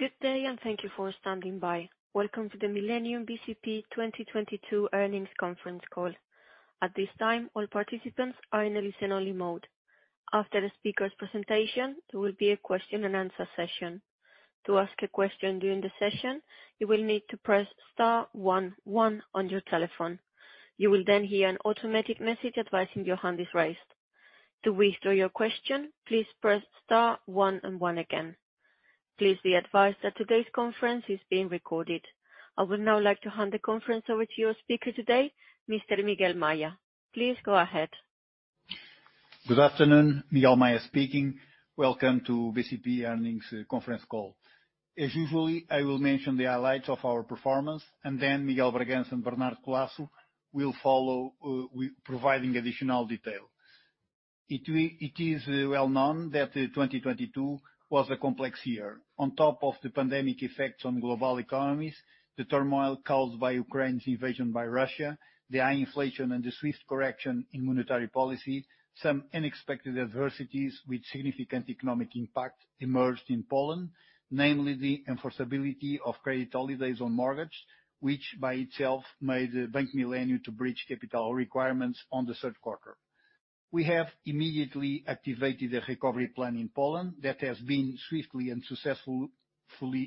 Good day. Thank you for standing by. Welcome to the Millennium bcp 2022 earnings conference call. At this time, all participants are in a listen-only mode. After the speaker's presentation, there will be a question-and-answer session. To ask a question during the session, you will need to press star one one on your telephone. You will hear an automatic message advising your hand is raised. To withdraw your question, please press star one and one again. Please be advised that today's conference is being recorded. I would now like to hand the conference over to your speaker today, Mr. Miguel Maya. Please go ahead. Good afternoon, Miguel Maya speaking. Welcome to Millennium bcp earnings conference call. As usually, I will mention the highlights of our performance, and then Miguel Bragança and Bernardo Collaço will follow with providing additional detail. It is well known that 2022 was a complex year. On top of the pandemic effects on global economies, the turmoil caused by Ukraine's invasion by Russia, the high inflation, and the swift correction in monetary policy, some unexpected adversities with significant economic impact emerged in Poland. Namely, the enforceability of credit holidays on mortgage, which by itself made Bank Millennium to breach capital requirements on the third quarter. We have immediately activated a recovery plan in Poland that has been swiftly and successfully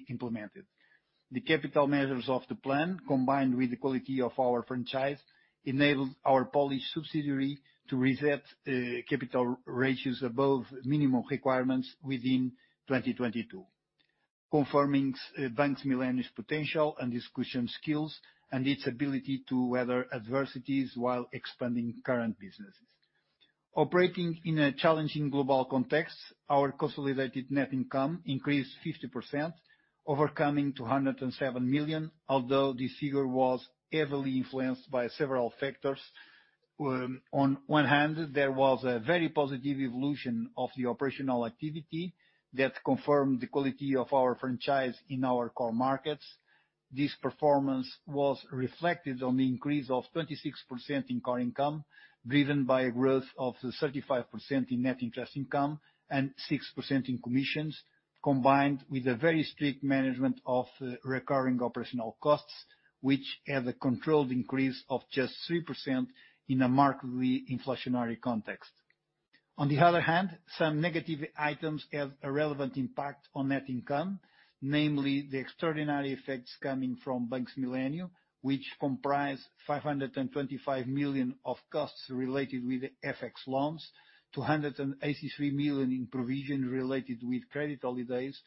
implemented. The capital measures of the plan, combined with the quality of our franchise, enabled our Polish subsidiary to reset capital ratios above minimum requirements within 2022. Confirming Bank Millennium's potential and execution skills and its ability to weather adversities while expanding current businesses. Operating in a challenging global context, our consolidated net income increased 50%, overcoming 207 million, although this figure was heavily influenced by several factors. On one hand, there was a very positive evolution of the operational activity that confirmed the quality of our franchise in our core markets. This performance was reflected on the increase of 26% in core income, driven by a growth of 35% in net interest income and 6% in commissions, combined with a very strict management of recurring operational costs, which had a controlled increase of just 3% in a markedly inflationary context. On the other hand, some negative items have a relevant impact on net income, namely the extraordinary effects coming from Bank Millennium, which comprise 525 million of costs related with FX loans, 283 million in provisions related with credit holidays,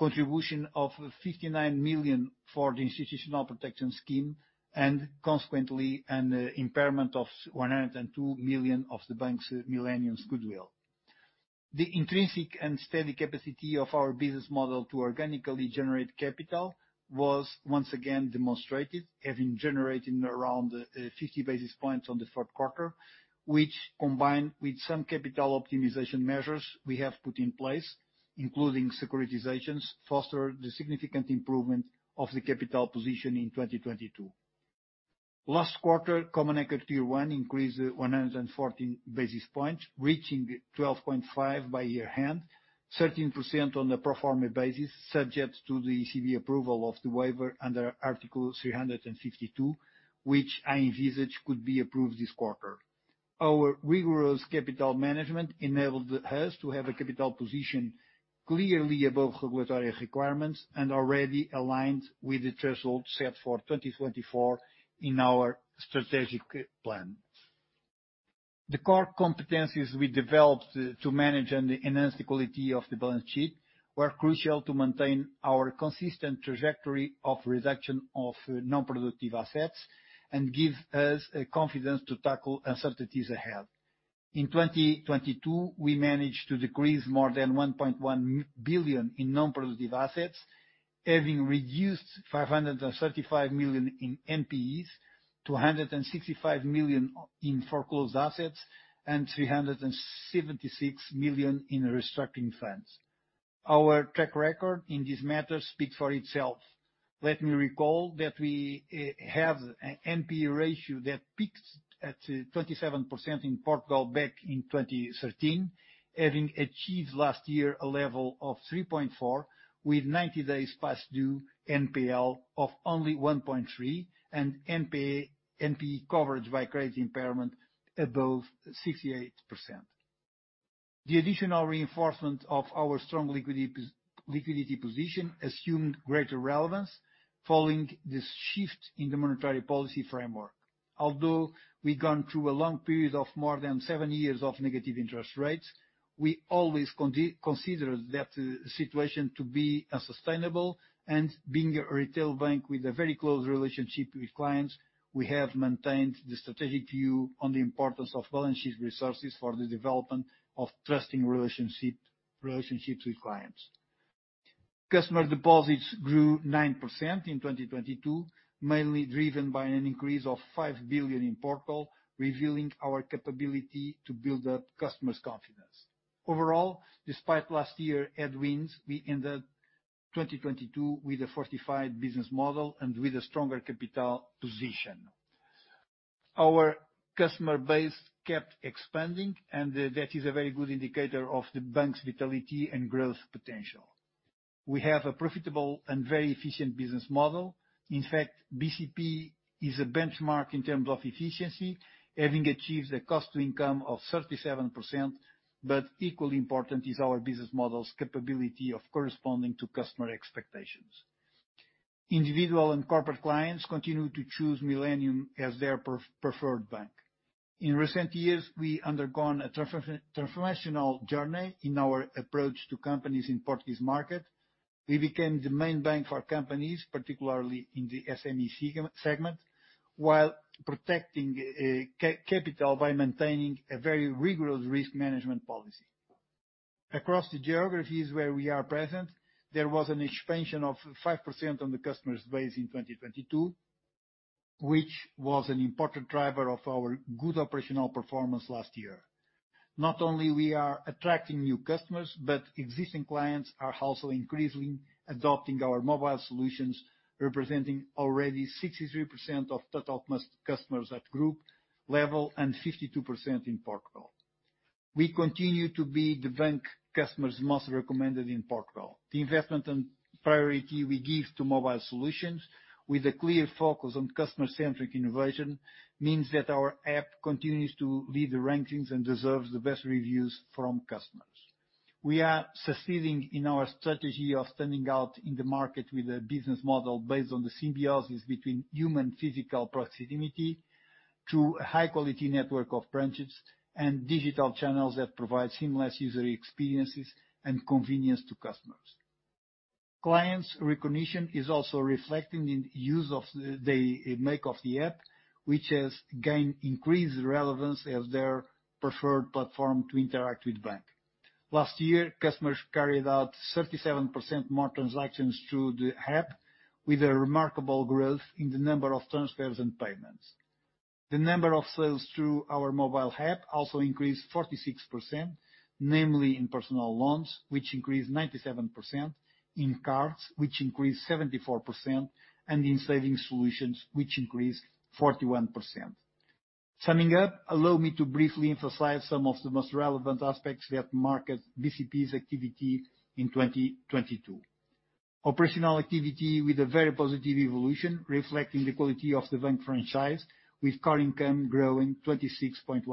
contribution of 59 million for the Institutional Protection Scheme, and consequently, an impairment of 102 million of the Bank Millennium goodwill. The intrinsic and steady capacity of our business model to organically generate capital was once again demonstrated, having generated around 50 basis points on the third quarter, which combined with some capital optimization measures we have put in place, including securitizations, foster the significant improvement of the capital position in 2022. Last quarter, Common Equity Tier 1 increased 114 basis points, reaching 12.5% by year-end, 13% on a pro forma basis, subject to the ECB approval of the waiver under Article 352, which I envisage could be approved this quarter. Our rigorous capital management enabled us to have a capital position clearly above regulatory requirements and already aligned with the threshold set for 2024 in our strategic plan. The core competencies we developed to manage and enhance the quality of the balance sheet were crucial to maintain our consistent trajectory of reduction of non-productive assets and give us a confidence to tackle uncertainties ahead. In 2022, we managed to decrease more than 1.1 billion in non-productive assets, having reduced 535 million in NPEs, 265 million in foreclosed assets, and 376 million in restructuring funds. Our track record in this matter speaks for itself. Let me recall that we have a NPE ratio that peaks at 27% in Portugal back in 2013, having achieved last year a level of 3.4%, with 90 days past due NPL of only 1.3%, and NPA-NPE coverage by credit impairment above 68%. The additional reinforcement of our strong liquidity position assumed greater relevance following this shift in the monetary policy framework. Although we've gone through a long period of more than seven years of negative interest rates, we always consider that situation to be unsustainable. Being a retail bank with a very close relationship with clients, we have maintained the strategic view on the importance of balance sheet resources for the development of trusting relationships with clients. Customer deposits grew 9% in 2022, mainly driven by an increase of 5 billion in Portugal, revealing our capability to build up customers' confidence. Overall, despite last year headwinds, we ended 2022 with a fortified business model and with a stronger capital position. Our customer base kept expanding. That is a very good indicator of the bank's vitality and growth potential. We have a profitable and very efficient business model. In fact, BCP is a benchmark in terms of efficiency, having achieved a cost-to-income of 37%. Equally important is our business model's capability of corresponding to customer expectations. Individual and corporate clients continue to choose Millennium as their preferred bank. In recent years, we undergone a transformational journey in our approach to companies in Portuguese market. We became the main bank for companies, particularly in the SME segment, while protecting capital by maintaining a very rigorous risk management policy. Across the geographies where we are present, there was an expansion of 5% on the customers base in 2022, which was an important driver of our good operational performance last year. Not only we are attracting new customers, existing clients are also increasingly adopting our mobile solutions, representing already 63% of total customers at group level and 52% in Portugal. We continue to be the bank customers most recommended in Portugal. The investment and priority we give to mobile solutions with a clear focus on customer-centric innovation means that our app continues to lead the rankings and deserves the best reviews from customers. We are succeeding in our strategy of standing out in the market with a business model based on the symbiosis between human physical proximity to a high quality network of branches and digital channels that provide seamless user experiences and convenience to customers. Clients' recognition is also reflecting in the use of the app, which has gained increased relevance as their preferred platform to interact with bank. Last year, customers carried out 37% more transactions through the app with a remarkable growth in the number of transfers and payments. The number of sales through our mobile app also increased 46%, namely in personal loans, which increased 97%, in cards, which increased 74%, and in savings solutions, which increased 41%. Summing up, allow me to briefly emphasize some of the most relevant aspects that market BCP's activity in 2022. Operational activity with a very positive evolution reflecting the quality of the bank franchise with card income growing 26.1%.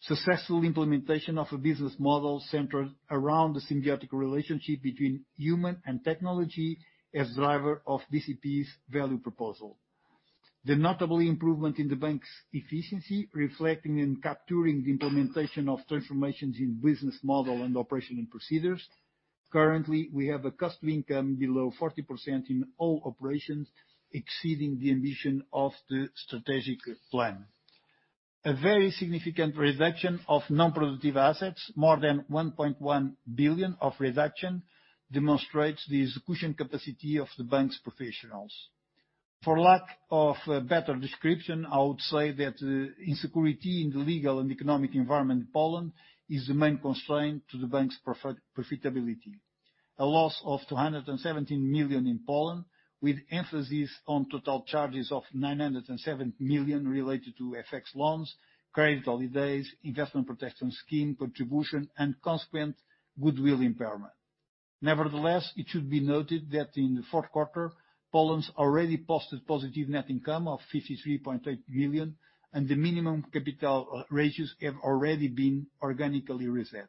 Successful implementation of a business model centered around the symbiotic relationship between human and technology as driver of BCP's value proposal. The notable improvement in the bank's efficiency reflecting and capturing the implementation of transformations in business model and operational procedures. Currently, we have a cost-to-income below 40% in all operations, exceeding the ambition of the strategic plan. A very significant reduction of non-productive assets, more than 1.1 billion of reduction, demonstrates the execution capacity of the bank's professionals. For lack of a better description, I would say that insecurity in the legal and economic environment in Poland is the main constraint to the bank's profitability. A loss of 217 million in Poland, with emphasis on total charges of 907 million related to FX loans, credit holidays, investment protection scheme contribution, and consequent goodwill impairment. Nevertheless, it should be noted that in the fourth quarter, Poland's already posted positive net income of 53.8 million, and the minimum capital ratios have already been organically reset.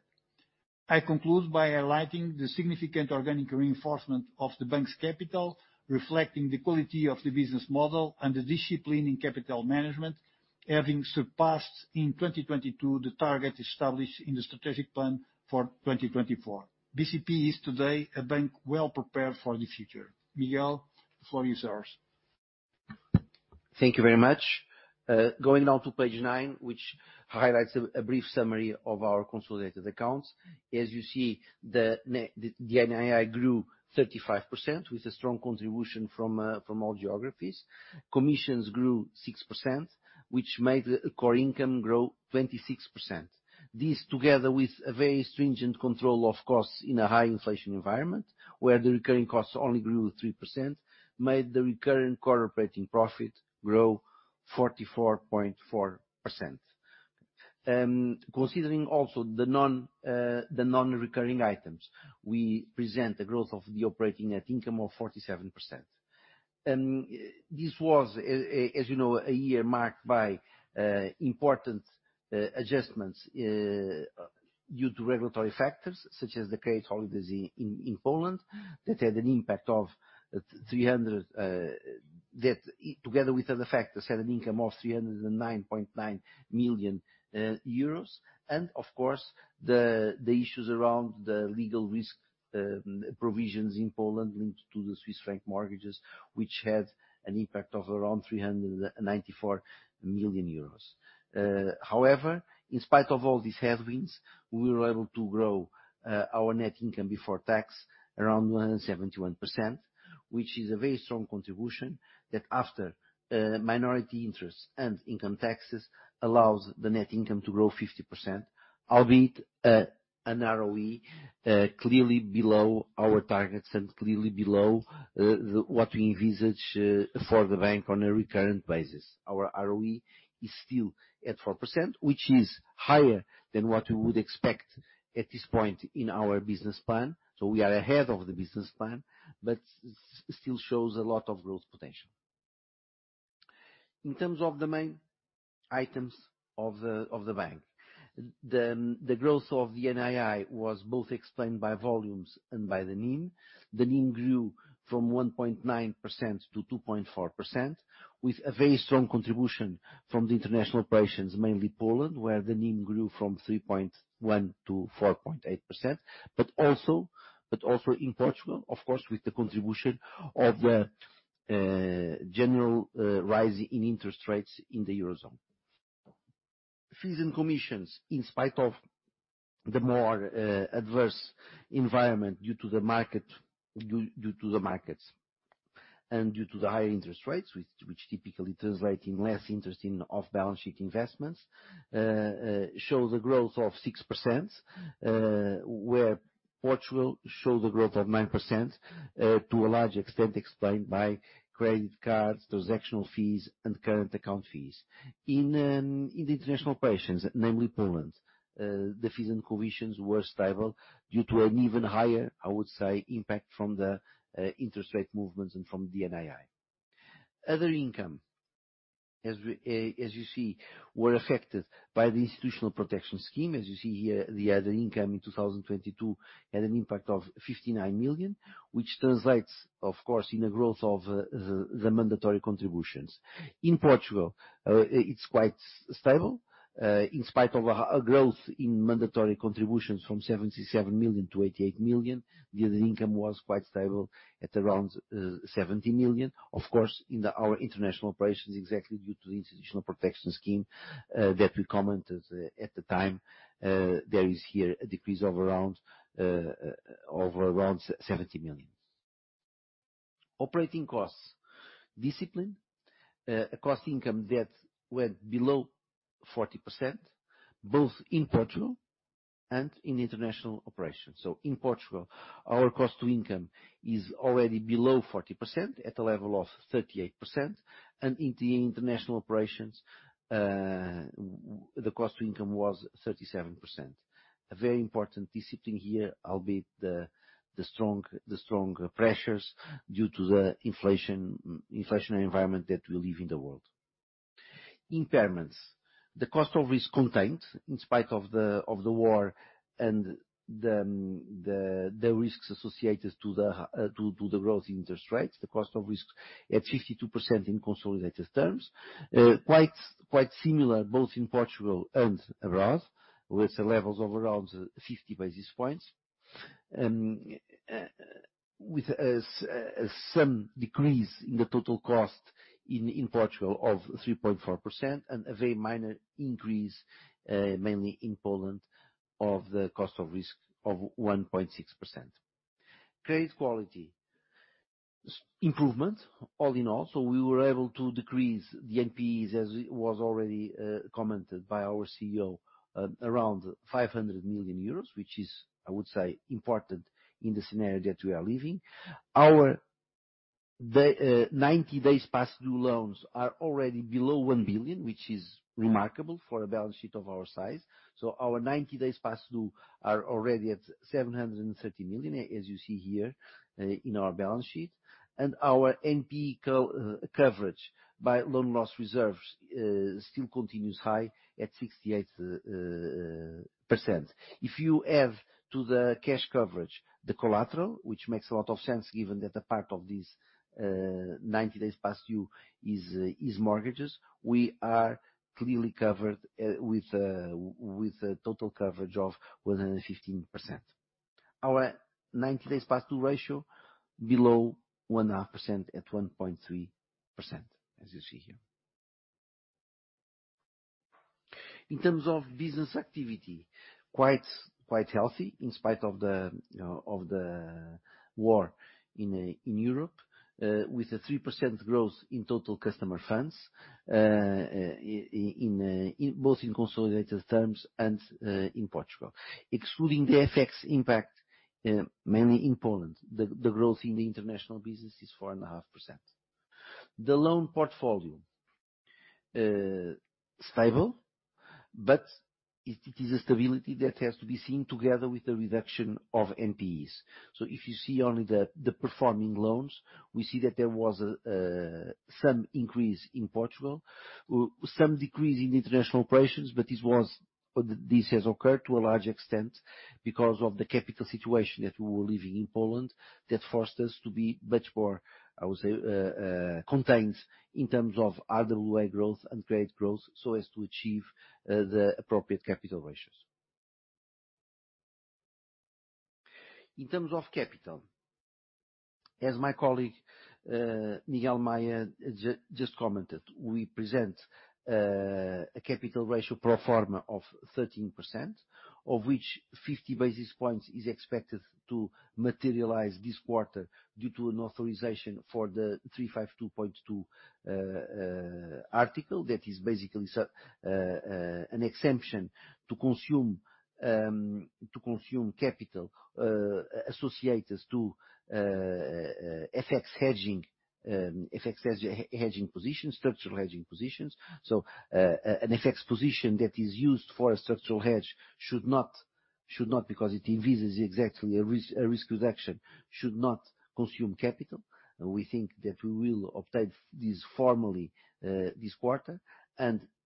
I conclude by highlighting the significant organic reinforcement of the bank's capital, reflecting the quality of the business model and the discipline in capital management, having surpassed in 2022 the target established in the strategic plan for 2024. BCP is today a bank well prepared for the future. Miguel, the floor is yours. Thank you very much. Going now to page nine, which highlights a brief summary of our consolidated accounts. As you see, the NII grew 35% with a strong contribution from all geographies. Commissions grew 6%, which made the core income grow 26%. This together with a very stringent control of costs in a high inflation environment, where the recurring costs only grew 3%, made the recurring core operating profit grow 44.4%. Considering also the non-recurring items, we present a growth of the operating net income of 47%. This was as you know, a year marked by important adjustments due to regulatory factors such as the credit holiday in Poland that had an impact of 300 million that together with other factors, had an income of 309.9 million euros. Of course, the issues around the legal risk provisions in Poland linked to the Swiss franc mortgages, which had an impact of around 394 million euros. However, in spite of all these headwinds, we were able to grow our net income before tax around 171%, which is a very strong contribution that after minority interest and income taxes allows the net income to grow 50%, albeit an ROE clearly below our targets and clearly below what we envisage for the bank on a recurrent basis. Our ROE is still at 4%, which is higher than what we would expect at this point in our business plan, but still shows a lot of growth potential. In terms of the main items of the bank. The growth of the NII was both explained by volumes and by the NIM. The NIM grew from 1.9% to 2.4%, with a very strong contribution from the international operations, mainly Poland, where the NIM grew from 3.1% to 4.8%. Also in Portugal, of course, with the contribution of the general rise in interest rates in the Eurozone. Fees and commissions, in spite of the more adverse environment due to the market, due to the markets, and due to the higher interest rates, which typically translates in less interest in off-balance-sheet investments, shows a growth of 6%, where Portugal show the growth of 9%, to a large extent explained by credit cards, transactional fees, and current account fees. In the international operations, namely Poland, the fees and commissions were stable due to an even higher, I would say, impact from the interest rate movements and from the NII. Other income, as we, as you see, were affected by the Institutional Protection Scheme. As you see here, the other income in 2022 had an impact of 59 million, which translates, of course, in a growth of the mandatory contributions. In Portugal, it's quite stable, in spite of a growth in mandatory contributions from 77 million to 88 million. The other income was quite stable at around 70 million. Of course, in our international operations, exactly due to the Institutional Protection Scheme, that we commented at the time, there is here a decrease of around 70 million. Operating costs discipline. A cost-to-income that went below 40%, both in Portugal and in international operations. In Portugal, our cost-to-income is already below 40% at a level of 38%. In the international operations, the cost-to-income was 37%. A very important discipline here, albeit the strong pressures due to the inflation, inflationary environment that we live in the world. Impairments. The cost of risk contained in spite of the war and the risks associated to the growth interest rates. The cost of risk at 52% in consolidated terms. Quite similar, both in Portugal and abroad, with levels of around 50 basis points. With some decrease in the total cost in Portugal of 3.4% and a very minor increase mainly in Poland of the cost of risk of 1.6%. Credit quality improvement all in all. We were able to decrease the NPEs, as it was already commented by our CEO, around 500 million euros, which is, I would say, important in the scenario that we are living. Our 90 days past due loans are already below 1 billion, which is remarkable for a balance sheet of our size. Our 90 days past due are already at 730 million, as you see here in our balance sheet. Our NPE coverage by loan loss reserves still continues high at 68%. If you add to the cash coverage the collateral, which makes a lot of sense given that a part of this 90 days past due is mortgages, we are clearly covered with a total coverage of 115%. Our 90 days past due ratio below 1.5% at 1.3%, as you see here. In terms of business activity, quite healthy in spite of the war in Europe, with a 3% growth in total customer funds in both in consolidated terms and in Portugal. Excluding the FX impact, mainly in Poland, the growth in the international business is 4.5%. The loan portfolio, stable, but it is a stability that has to be seen together with the reduction of NPEs. If you see only the performing loans, we see that there was some increase in Portugal, some decrease in international operations, but this was or this has occurred to a large extent because of the capital situation that we were living in Poland that forced us to be much more, I would say, contained in terms of RWA growth and credit growth so as to achieve the appropriate capital ratios. In terms of capital, as my colleague Miguel Maya just commented, we present a capital ratio pro forma of 13%, of which 50 basis points is expected to materialize this quarter due to an authorization for the Article 352.2. That is basically an exemption to consume, to consume capital, associated to FX hedging positions, structural hedging positions. An FX position that is used for a structural hedge should not because it envisages exactly a risk reduction should not consume capital. We think that we will obtain this formally this quarter.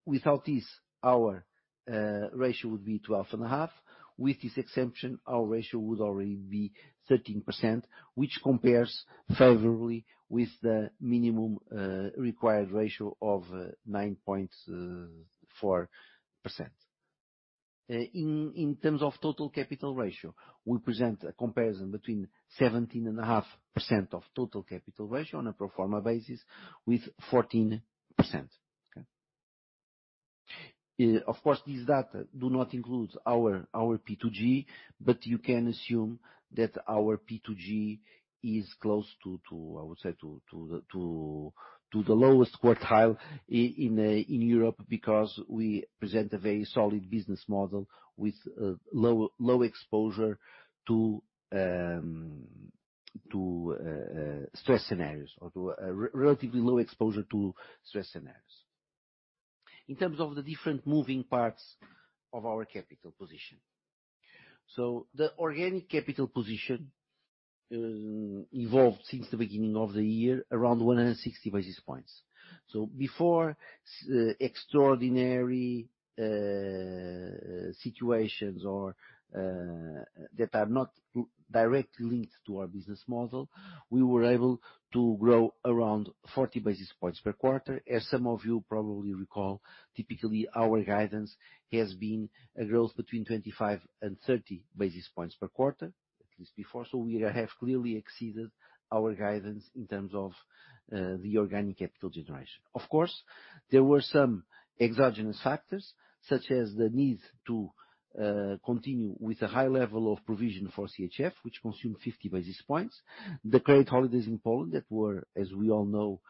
Without this, our ratio would be 12.5%. With this exemption, our ratio would already be 13%, which compares favorably with the minimum required ratio of 9.4%. In terms of total capital ratio, we present a comparison between 17.5% of total capital ratio on a pro forma basis with 14%. Of course, this data do not include our Pillar 2 Guidance, you can assume that our Pillar 2 Guidance is close to the lowest quartile in Europe, because we present a very solid business model with low exposure to stress scenarios or to a relatively low exposure to stress scenarios. In terms of the different moving parts of our capital position. The organic capital position evolved since the beginning of the year around 160 basis points. Before extraordinary situations or that are not directly linked to our business model, we were able to grow around 40 basis points per quarter. As some of you probably recall, typically our guidance has been a growth between 25 and 30 basis points per quarter, at least before. We have clearly exceeded our guidance in terms of the organic capital generation. Of course, there were some exogenous factors, such as the need to continue with a high level of provision for CHF, which consumed 50 basis points. The credit holidays in Poland that were, as we all know,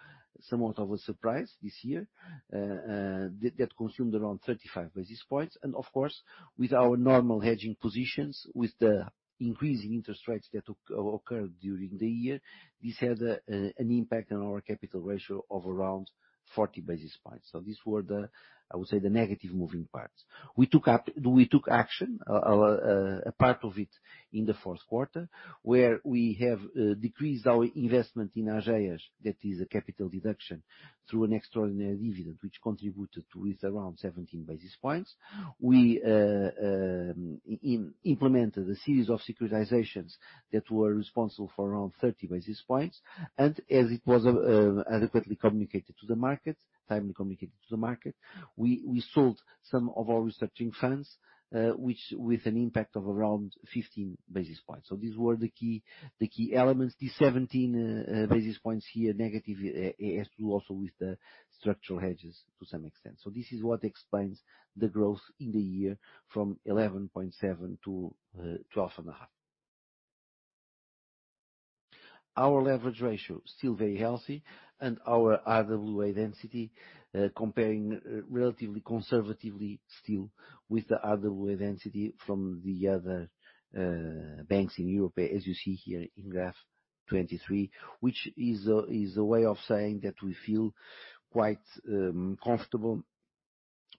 somewhat of a surprise this year, that consumed around 35 basis points. Of course, with our normal hedging positions, with the increasing interest rates that occurred during the year, this had an impact on our capital ratio of around 40 basis points. These were the, I would say, the negative moving parts. We took action, a part of it in the fourth quarter, where we have decreased our investment in Ageas. That is a capital deduction through an extraordinary dividend, which contributed with around 17 basis points. We implemented a series of securitizations that were responsible for around 30 basis points. As it was adequately communicated to the market, timely communicated to the market, we sold some of our restructuring funds, which with an impact of around 15 basis points. These were the key elements. These -17 basis points here are negative, because it has to do also with the structural hedges to some extent. This is what explains the growth in the year from 11.7% to 12.5%. Our leverage ratio still very healthy and our RWA density, comparing relatively conservatively still with the RWA density from the other banks in Europe, as you see here in graph page 23, which is a way of saying that we feel quite comfortable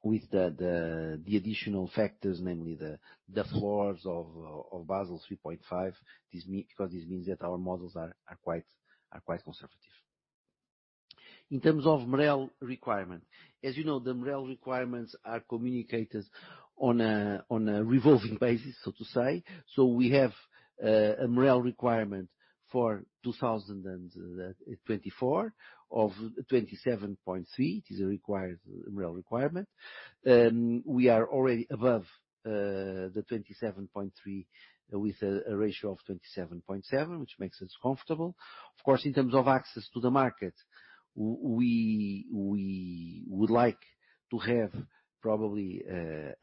with the additional factors, namely the floors of Basel 3.5, because this means that our models are quite conservative. In terms of MREL requirement, as you know, the MREL requirements are communicated on a revolving basis, so to say. We have a MREL requirement for 2024 of 27.3%. It is a required MREL requirement. We are already above the 27.3% with a ratio of 27.7%, which makes us comfortable. Of course, in terms of access to the market, we would like to have probably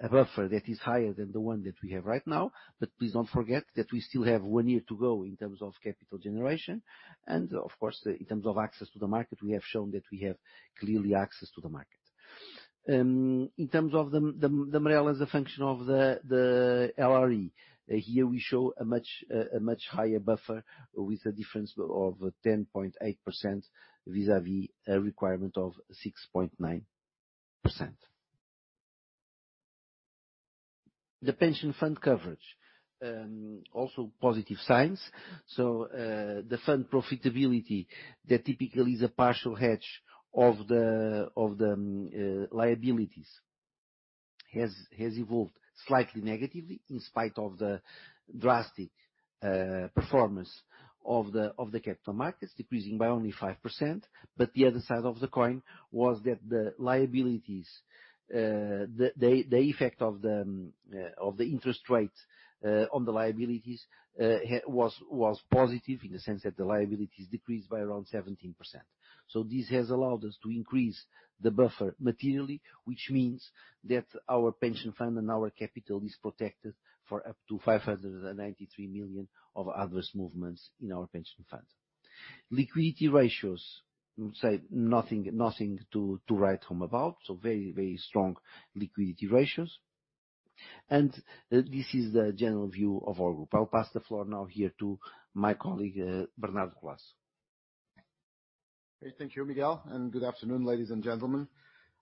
a buffer that is higher than the one that we have right now. Please don't forget that we still have one year to go in terms of capital generation. Of course, in terms of access to the market, we have shown that we have clearly access to the market. In terms of the MREL as a function of the LRE, here we show a much higher buffer with a difference of 10.8% vis-à-vis a requirement of 6.9%. The pension fund coverage also positive signs. The fund profitability that typically is a partial hedge of the liabilities has evolved slightly negatively in spite of the drastic performance of the capital markets, decreasing by only 5%. The other side of the coin was that the liabilities, the effect of the interest rates on the liabilities was positive in the sense that the liabilities decreased by around 17%. This has allowed us to increase the buffer materially, which means that our pension fund and our capital is protected for up to 593 million of adverse movements in our pension fund. Liquidity ratios, say nothing to write home about. Strong liquidity ratios. This is the general view of our group. I'll pass the floor now here to my colleague, Bernardo Collaço. Thank you, Miguel. Good afternoon, ladies and gentlemen.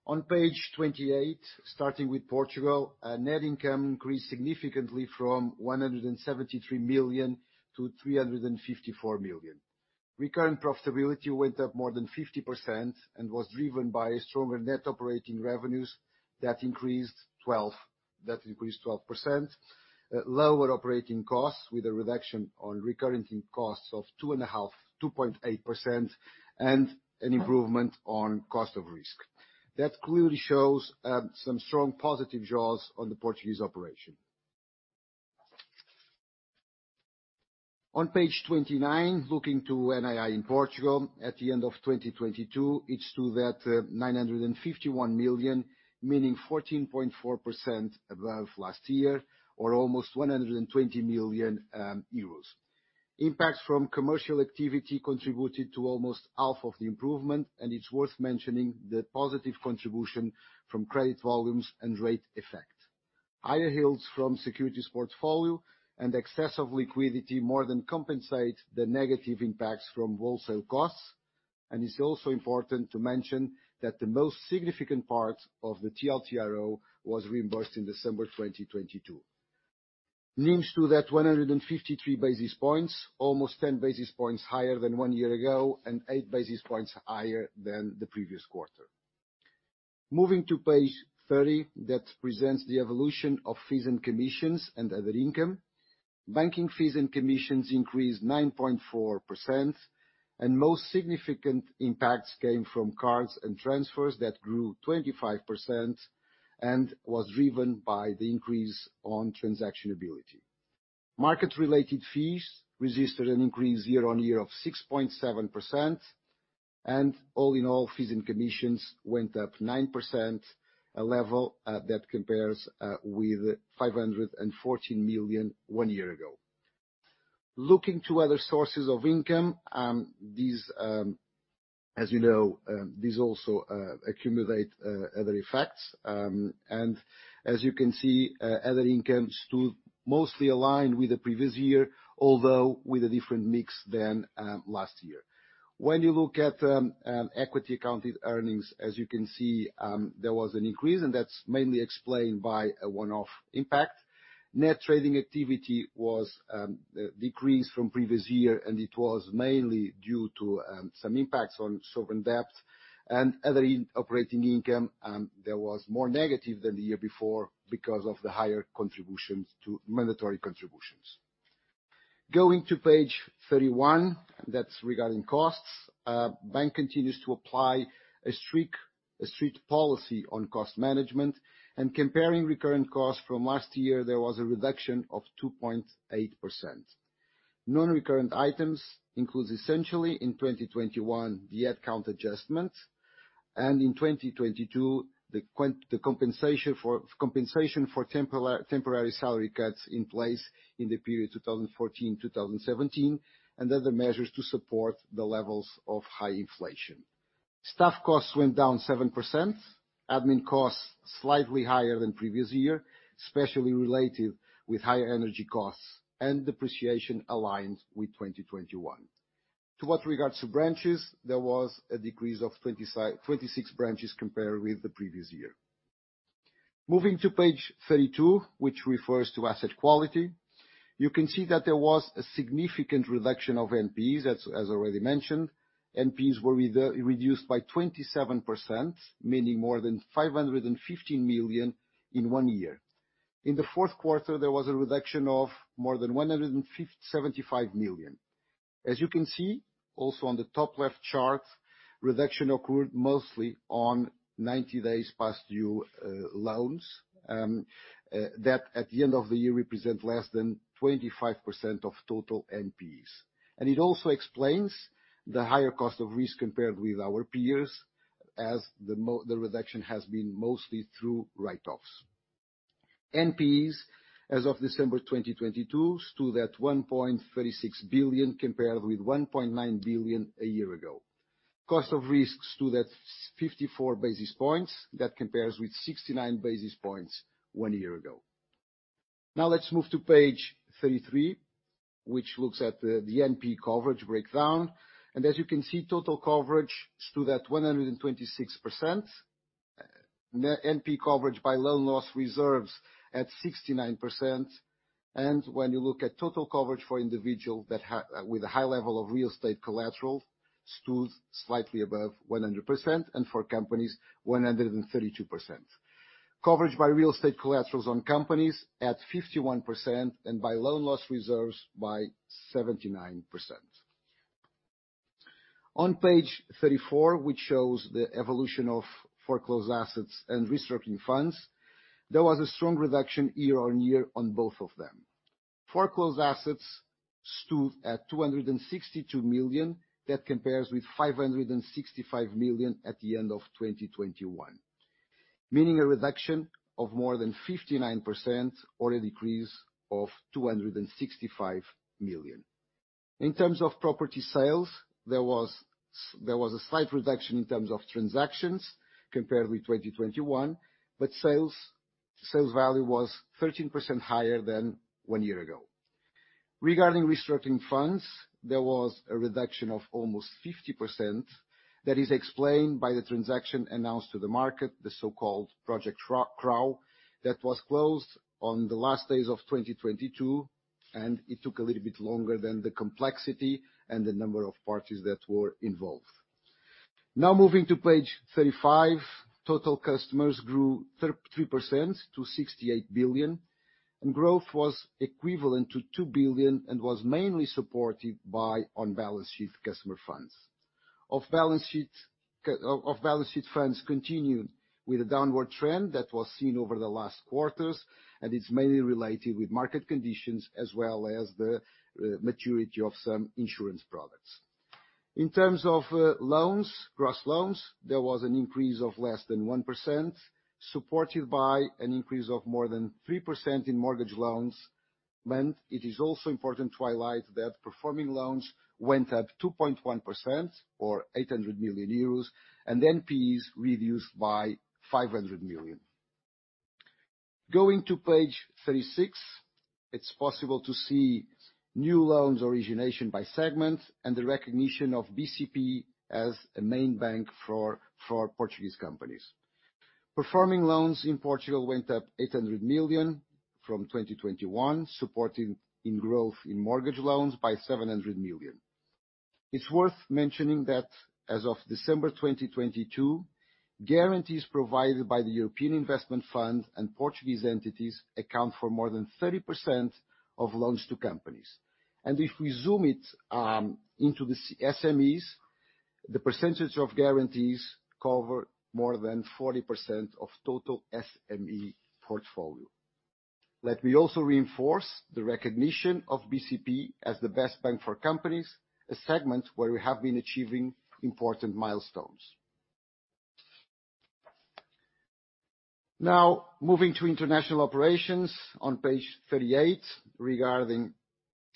On page 28, starting with Portugal, net income increased significantly from 173 million to 354 million. Recurrent profitability went up more than 50% and was driven by stronger net operating revenues that increased 12%. Lower operating costs with a reduction on recurrent costs of 2.8% and an improvement on cost of risk. That clearly shows some strong positive draws on the Portuguese operation. On page 29, looking to NII in Portugal at the end of 2022, it's true that 951 million, meaning 14.4% above last year or almost 120 million euros. Impacts from commercial activity contributed to almost half of the improvement, and it's worth mentioning the positive contribution from credit volumes and rate effect. Higher yields from securities portfolio and excess of liquidity more than compensate the negative impacts from wholesale costs. It's also important to mention that the most significant part of the TLTRO was reimbursed in December 2022. Means to that 153 basis points, almost 10 basis points higher than one year ago, and 8 basis points higher than the previous quarter. Moving to page 30, that presents the evolution of fees and commissions and other income. Banking fees and commissions increased 9.4%, and most significant impacts came from cards and transfers that grew 25% and was driven by the increase on transaction ability. Market-related fees resisted an increase year-on-year of 6.7%, and all in all, fees and commissions went up 9%, a level that compares with 514 million one year ago. Looking to other sources of income, these, as you know, these also accumulate other effects. As you can see, other income stood mostly aligned with the previous year, although with a different mix than last year. When you look at equity accounted earnings, as you can see, there was an increase, and that's mainly explained by a one-off impact. Net trading activity was decreased from previous year. It was mainly due to some impacts on sovereign debt and other operating income that was more negative than the year before because of the higher contributions to mandatory contributions. Going to page 31, that's regarding costs. Bank continues to apply a strict policy on cost management. Comparing recurrent costs from last year, there was a reduction of 2.8%. Non-recurrent items includes essentially, in 2021, the headcount adjustment. In 2022, the compensation for temporary salary cuts in place in the period 2014-2017, and other measures to support the levels of high inflation. Staff costs went down 7%. Admin costs, slightly higher than previous year, especially related with higher energy costs and depreciation aligned with 2021. To what regards to branches, there was a decrease of 26 branches compared with the previous year. Moving to page 32, which refers to asset quality. You can see that there was a significant reduction of NPEs, as already mentioned. NPEs were reduced by 27%, meaning more than 550 million in one year. In the fourth quarter, there was a reduction of more than 175 million. As you can see, also on the top left chart, reduction occurred mostly on 90 days past due loans. That, at the end of the year, represent less than 25% of total NPEs. It also explains the higher cost of risk compared with our peers as the reduction has been mostly through write-offs. NPEs, as of December 2022, stood at 1.36 billion compared with 1.9 billion a year ago. Cost of risks stood at 54 basis points. That compares with 69 basis points one year ago. Now let's move to page 33, which looks at the NPE coverage breakdown. As you can see, total coverage stood at 126%. NPE coverage by loan loss reserves at 69%. When you look at total coverage for individual with a high level of real estate collateral, stood slightly above 100%, and for companies, 132%. Coverage by real estate collaterals on companies at 51%, and by loan loss reserves by 79%. On page 34, which shows the evolution of foreclosed assets and restructuring funds, there was a strong reduction year-on-year on both of them. Foreclosed assets stood at 262 million, that compares with 565 million at the end of 2021, meaning a reduction of more than 59% or a decrease of 265 million. In terms of property sales, there was a slight reduction in terms of transactions compared with 2021, but sales value was 13% higher than one year ago. Regarding restructuring funds, there was a reduction of almost 50% that is explained by the transaction announced to the market, the so-called Project Crow, that was closed on the last days of 2022, and it took a little bit longer than the complexity and the number of parties that were involved. Now moving to page 35, total customers grew 3% to 68 billion, and growth was equivalent to 2 billion and was mainly supported by on-balance sheet customer funds. Off-balance sheet funds continued with a downward trend that was seen over the last quarters. It's mainly related with market conditions as well as the maturity of some insurance products. In terms of loans, gross loans, there was an increase of less than 1%, supported by an increase of more than 3% in mortgage loans. It is also important to highlight that performing loans went up 2.1% or 800 million euros. NPEs reduced by 500 million. Going to page 36, it's possible to see new loans origination by segment and the recognition of BCP as a main bank for Portuguese companies. Performing loans in Portugal went up 800 million from 2021, supporting in growth in mortgage loans by 700 million. It's worth mentioning that as of December 2022, guarantees provided by the European Investment Fund and Portuguese entities account for more than 30% of loans to companies. If we zoom it into the SMEs, the percentage of guarantees cover more than 40% of total SME portfolio. Let me also reinforce the recognition of BCP as the best bank for companies, a segment where we have been achieving important milestones. Now, moving to international operations on page 38 regarding,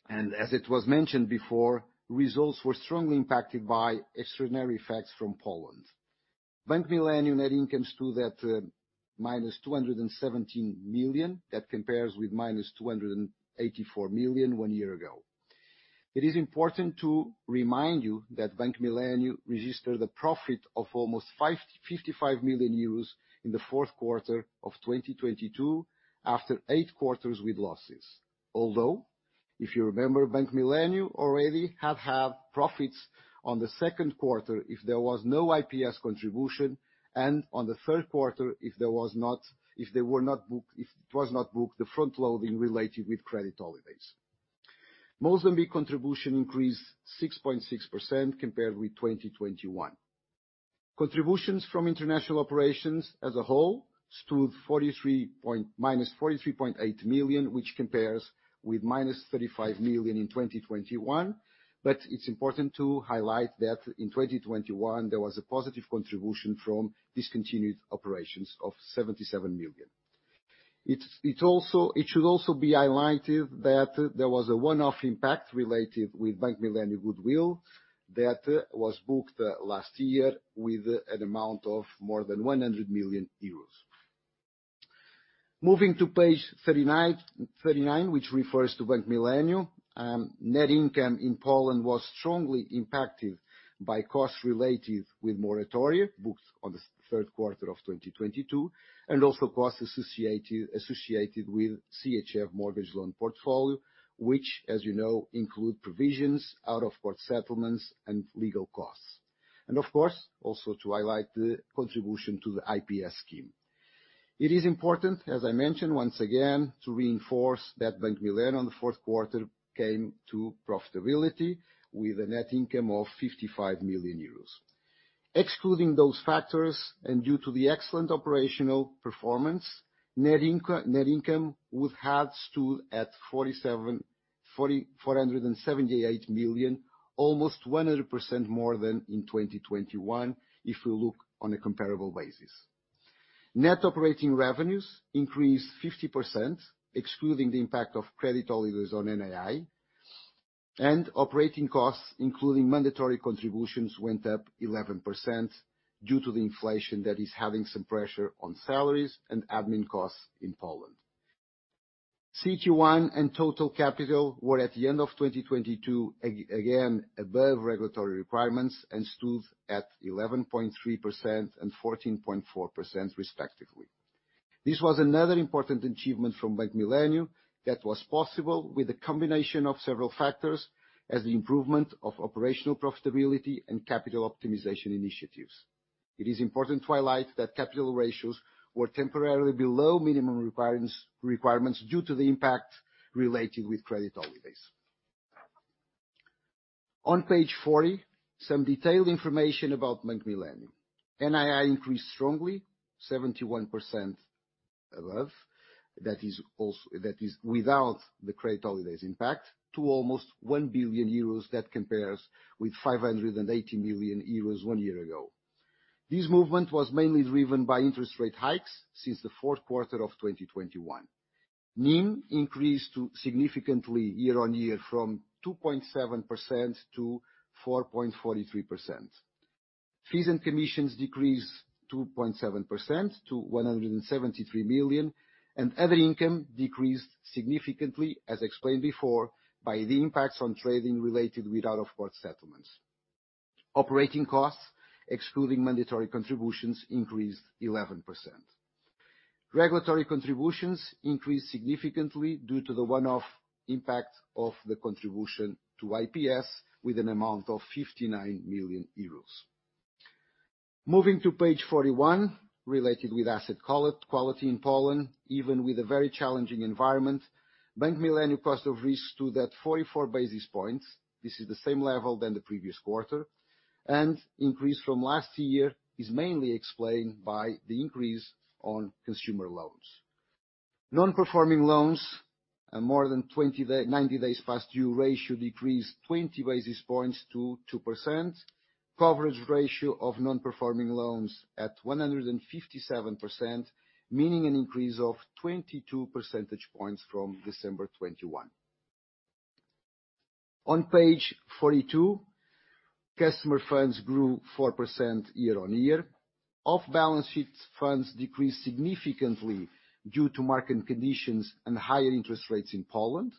and as it was mentioned before, results were strongly impacted by extraordinary effects from Poland. Bank Millennium net income stood at -217 million. That compares with -284 million one year ago. It is important to remind you that Bank Millennium registered a profit of almost 55 million euros in the fourth quarter of 2022 after eight quarters with losses. If you remember, Bank Millennium already had profits on the second quarter if there was no IPS contribution, and on the third quarter if it was not booked, the front-loading related with credit holidays. Mozambique contribution increased 6.6% compared with 2021. Contributions from international operations as a whole stood -43.8 million, which compares with -35 million in 2021. It's important to highlight that in 2021, there was a positive contribution from discontinued operations of 77 million EUR. it should also be highlighted that there was a one-off impact related with Bank Millennium goodwill that was booked last year with an amount of more than 100 million euros. Moving to page 39, which refers to Bank Millennium. Net income in Poland was strongly impacted by costs related with moratoria, booked on the third quarter of 2022, and also costs associated with CHF mortgage loan portfolio, which, as you know, include provisions, out-of-court settlements, and legal costs. Of course, also to highlight the contribution to the IPS scheme. It is important, as I mentioned once again, to reinforce that Bank Millennium on the fourth quarter came to profitability with a net income of 55 million euros. Excluding those factors and due to the excellent operational performance, net income would have stood at 478 million, almost 100% more than in 2021 if we look on a comparable basis. Net operating revenues increased 50%, excluding the impact of credit holidays on NII. Operating costs, including mandatory contributions, went up 11% due to the inflation that is having some pressure on salaries and admin costs in Poland. CET1 and total capital were at the end of 2022 again above regulatory requirements and stood at 11.3% and 14.4% respectively. This was another important achievement from Bank Millennium that was possible with a combination of several factors as the improvement of operational profitability and capital optimization initiatives. It is important to highlight that capital ratios were temporarily below minimum requirements due to the impact relating with credit holidays. On page 40, some detailed information about Bank Millennium. NII increased strongly 71% above. That is without the credit holidays impact to almost 1 billion euros. That compares with 580 million euros one year ago. This movement was mainly driven by interest rate hikes since the fourth quarter of 2021. NIM increased significantly year-on-year from 2.7% to 4.43%. Fees and commissions decreased 2.7% to 173 million, and other income decreased significantly, as explained before, by the impacts on trading related with out-of-court settlements. Operating costs, excluding mandatory contributions, increased 11%. Regulatory contributions increased significantly due to the one-off impact of the contribution to IPS with an amount of 59 million euros. Moving to page 41, related with asset quality in Poland. Even with a very challenging environment, Bank Millennium cost of risk stood at 44 basis points. This is the same level than the previous quarter. Increase from last year is mainly explained by the increase on consumer loans. Non-performing loans and more than 90 days past due ratio decreased 20 basis points to 2%. Coverage ratio of non-performing loans at 157%, meaning an increase of 22 percentage points from December 2021. On page 42, customer funds grew 4% year-on-year. Off-balance sheet funds decreased significantly due to market conditions and higher interest rates in Poland.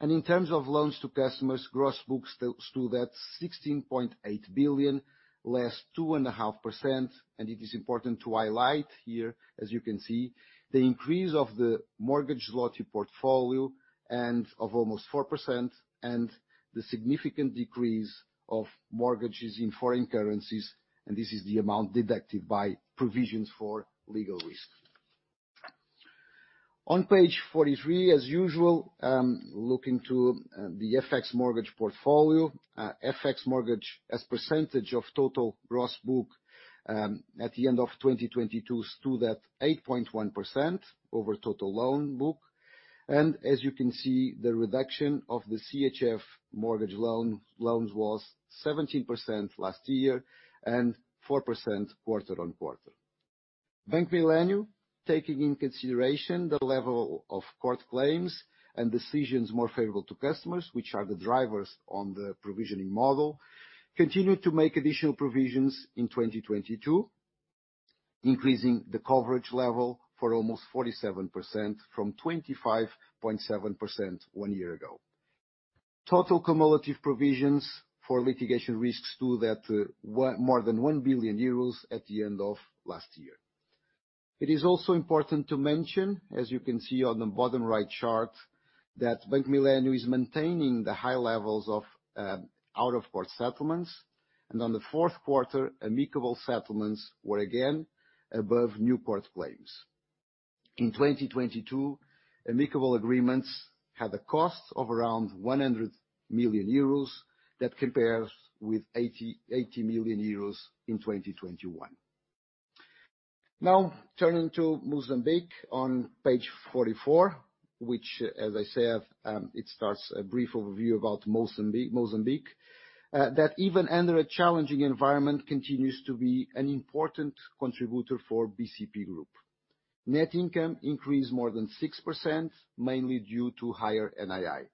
In terms of loans to customers, gross books stood at 16.8 billion, less 2.5%. It is important to highlight here, as you can see, the increase of the Polish złoty mortgage portfolio and of almost 4%, and the significant decrease of mortgages in FX, and this is the amount deducted by provisions for legal risk. On page 43, as usual, looking to the FX mortgage portfolio. FX mortgage as percentage of total gross book, at the end of 2022 stood at 8.1% over total loan book. As you can see, the reduction of the CHF mortgage loans was 17% last year, and 4% quarter-on-quarter. Bank Millennium, taking into consideration the level of court claims and decisions more favorable to customers, which are the drivers on the provisioning model, continued to make additional provisions in 2022, increasing the coverage level for almost 47% from 25.7% one year ago. Total cumulative provisions for litigation risks stood at more than 1 billion euros at the end of last year. It is also important to mention, as you can see on the bottom right chart, that Bank Millennium is maintaining the high levels of out-of-court settlements. On the fourth quarter, amicable settlements were again above new court claims. In 2022, amicable agreements had a cost of around 100 million euros. That compares with 80 million euros in 2021. Turning to Mozambique on page 44, which, as I said, it starts a brief overview about Mozambique that even under a challenging environment continues to be an important contributor for BCP Group. Net income increased more than 6%, mainly due to higher NII.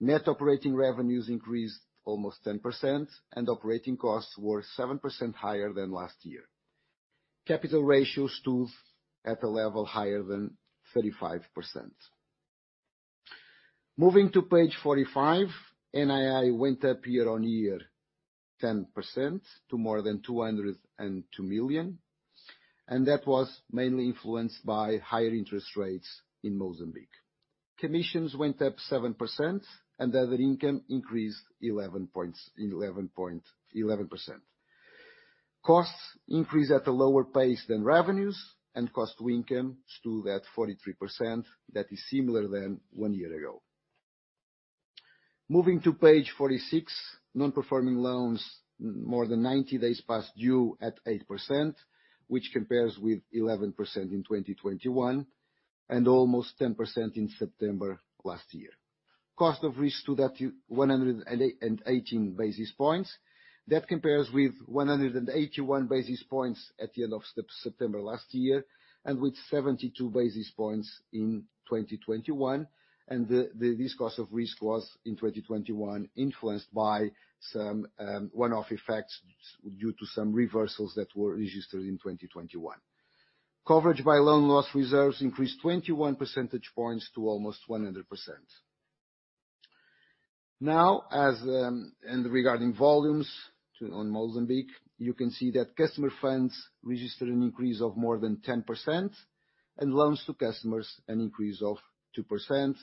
Net operating revenues increased almost 10%, operating costs were 7% higher than last year. Capital ratios stood at a level higher than 35%. Moving to page 45, NII went up year-on-year 10% to more than 202 million, that was mainly influenced by higher interest rates in Mozambique. Commissions went up 7%, other income increased 11%. Costs increased at a lower pace than revenues, cost-to-income stood at 43%. That is similar than one year ago. Moving to page 46, non-performing loans more than 90 days past due at 8%, which compares with 11% in 2021, and almost 10% in September last year. Cost of risk stood at 118 basis points. That compares with 181 basis points at the end of September last year and with 72 basis points in 2021. This cost of risk was, in 2021, influenced by some one-off effects due to some reversals that were registered in 2021. Coverage by loan loss reserves increased 21 percentage points to almost 100%. Regarding volumes on Mozambique, you can see that customer funds registered an increase of more than 10%, and loans to customers an increase of 2%,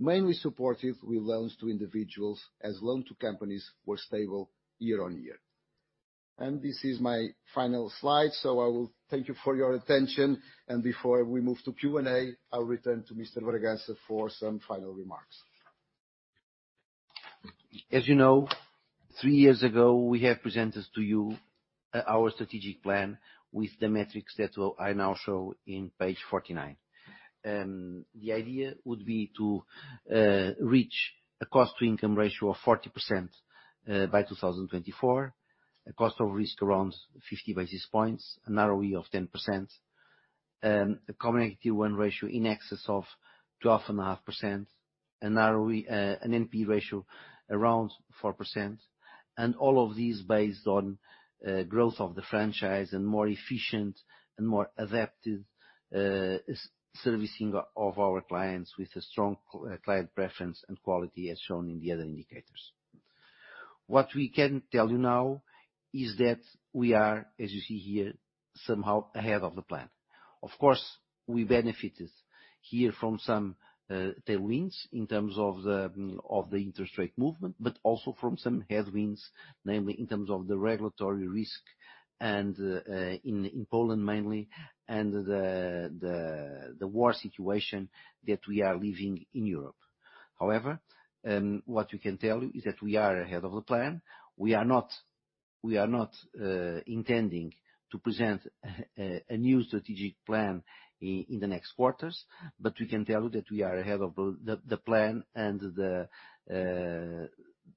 mainly supported with loans to individuals, as loans to companies were stable year-on-year. This is my final slide. I will thank you for your attention. Before we move to Q&A, I will return to Mr. Bragança for some final remarks. As you know, three years ago, we have presented to you our strategic plan with the metrics that will, I now show in page 49. The idea would be to reach a cost-to-income ratio of 40% by 2024, a cost of risk around 50 basis points, an ROE of 10%. A Common Equity Tier 1 ratio in excess of 12.5%, an ROE, an NP ratio around 4%. All of these based on growth of the franchise and more efficient and more adaptive servicing of our clients with a strong client preference and quality as shown in the other indicators. What we can tell you now is that we are, as you see here, somehow ahead of the plan. Of course, we benefited here from some tailwinds in terms of the interest rate movement, but also from some headwinds, namely in terms of the regulatory risk in Poland mainly, and the war situation that we are living in Europe. However, what we can tell you is that we are ahead of the plan. We are not intending to present a new strategic plan in the next quarters, but we can tell you that we are ahead of the plan and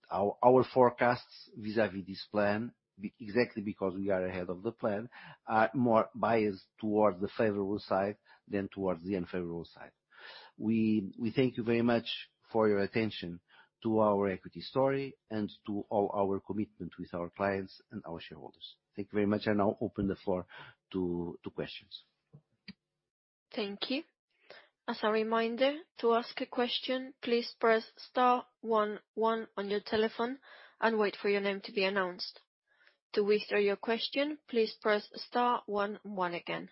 our forecasts vis-à-vis this plan, exactly because we are ahead of the plan, are more biased towards the favorable side than towards the unfavorable side. We thank you very much for your attention to our equity story and to all our commitment with our clients and our shareholders. Thank you very much. I now open the floor to questions. Thank you. As a reminder, to ask a question, please press star one one on your telephone and wait for your name to be announced. To withdraw your question, please press star one one again.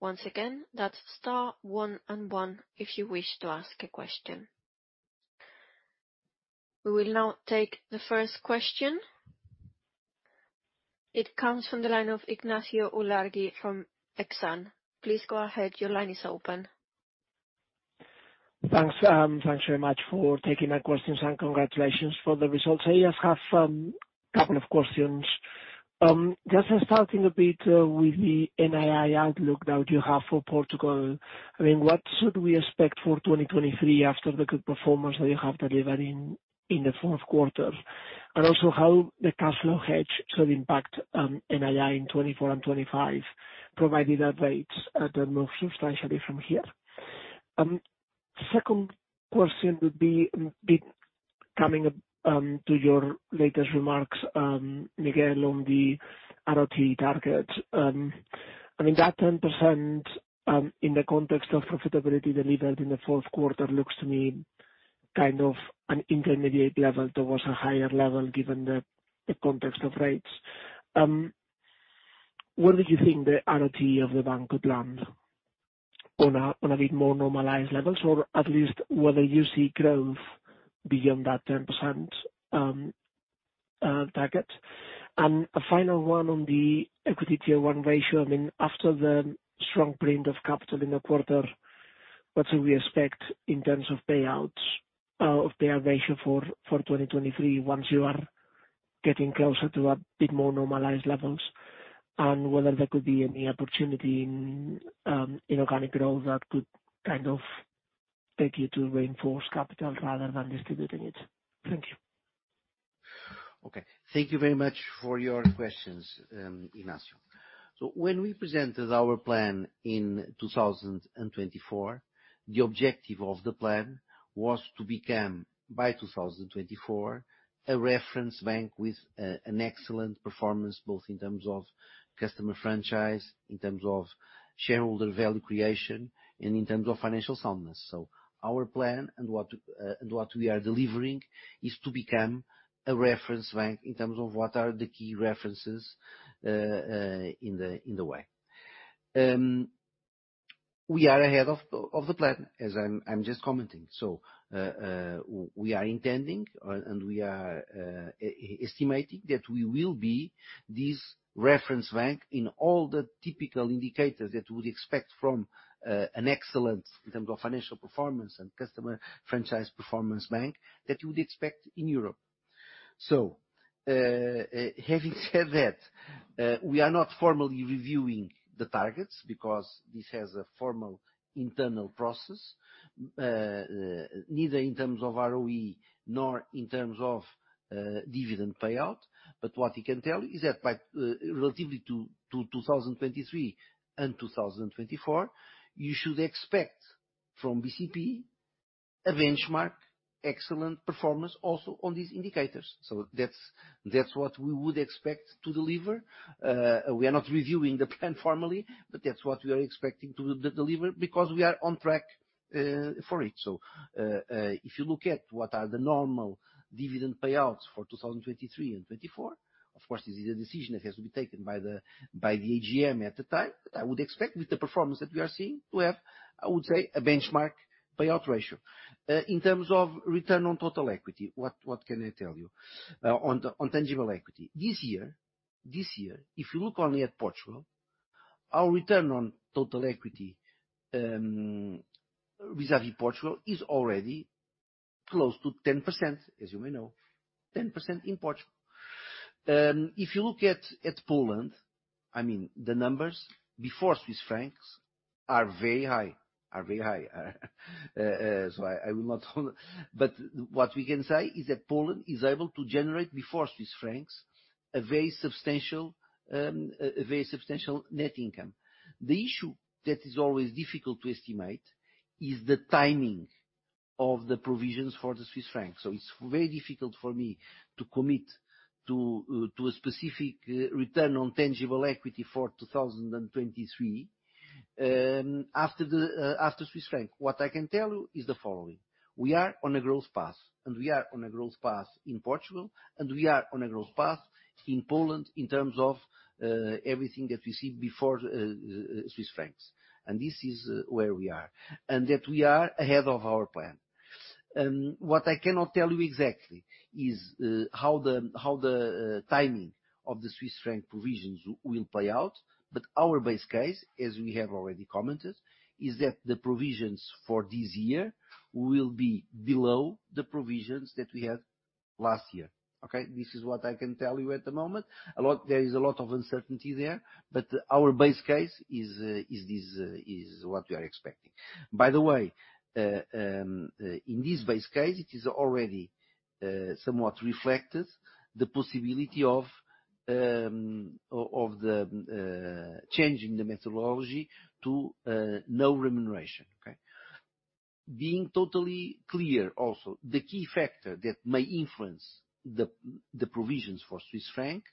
Once again, that's star one and one if you wish to ask a question. We will now take the first question. It comes from the line of Ignacio Ulargui from Exane. Please go ahead. Your line is open. Thanks. Thanks very much for taking my questions, and congratulations for the results. I just have a couple of questions. Just starting a bit with the NII outlook that you have for Portugal. I mean, what should we expect for 2023 after the good performance that you have delivered in the fourth quarter? Also how the cash flow hedge should impact NII in 2024 and 2025, provided that rates don't move substantially from here. Second question would be coming up to your latest remarks, Miguel, on the ROTE target. I mean, that 10%, in the context of profitability delivered in the fourth quarter looks to me kind of an intermediate level towards a higher level given the context of rates. Where did you think the ROTE of the bank could land on a bit more normalized levels? Or at least whether you see growth beyond that 10% target? A final one on the Common Equity Tier 1 ratio. I mean, after the strong print of capital in the quarter, what should we expect in terms of payouts of payout ratio for 2023 once you are getting closer to a bit more normalized levels? Whether there could be any opportunity in inorganic growth that could kind of take you to reinforce capital rather than distributing it. Thank you. Okay. Thank you very much for your questions, Ignacio. When we presented our plan in 2024, the objective of the plan was to become, by 2024, a reference bank with an excellent performance, both in terms of customer franchise, in terms of shareholder value creation, and in terms of financial soundness. Our plan and what and what we are delivering is to become a reference bank in terms of what are the key references in the way. We are ahead of the plan, as I'm just commenting. We are intending and we are estimating that we will be this reference bank in all the typical indicators that you would expect from an excellent in terms of financial performance and customer franchise performance bank that you would expect in Europe. Having said that, we are not formally reviewing the targets because this has a formal internal process, neither in terms of ROE nor in terms of dividend payout. What we can tell you is that by relatively to 2023 and 2024, you should expect from BCP a benchmark excellent performance also on these indicators. That's what we would expect to deliver. We are not reviewing the plan formally, but that's what we are expecting to deliver because we are on track for it. If you look at what are the normal dividend payouts for 2023 and 2024, of course, this is a decision that has to be taken by the AGM at the time. I would expect with the performance that we are seeing to have, I would say, a benchmark payout ratio. In terms of return on total equity, what can I tell you on tangible equity? This year, if you look only at Portugal, our return on total equity vis-à-vis Portugal is already close to 10%, as you may know. 10% in Portugal. If you look at Poland, I mean, the numbers before CHF are very high. I will not... What we can say is that Poland is able to generate before Swiss francs a very substantial net income. The issue that is always difficult to estimate is the timing of the provisions for the Swiss franc. It's very difficult for me to commit to a specific return on tangible equity for 2023. After the, after Swiss franc, what I can tell you is the following: We are on a growth path, and we are on a growth path in Portugal, and we are on a growth path in Poland in terms of everything that we see before Swiss francs. This is where we are. That we are ahead of our plan. What I cannot tell you exactly is how the timing of the Swiss franc provisions will play out. Our base case, as we have already commented, is that the provisions for this year will be below the provisions that we had last year. Okay? This is what I can tell you at the moment. There is a lot of uncertainty there, but our base case is this is what we are expecting. By the way, in this base case, it is already somewhat reflected the possibility of the changing the methodology to no remuneration. Okay? Being totally clear also, the key factor that may influence the provisions for Swiss franc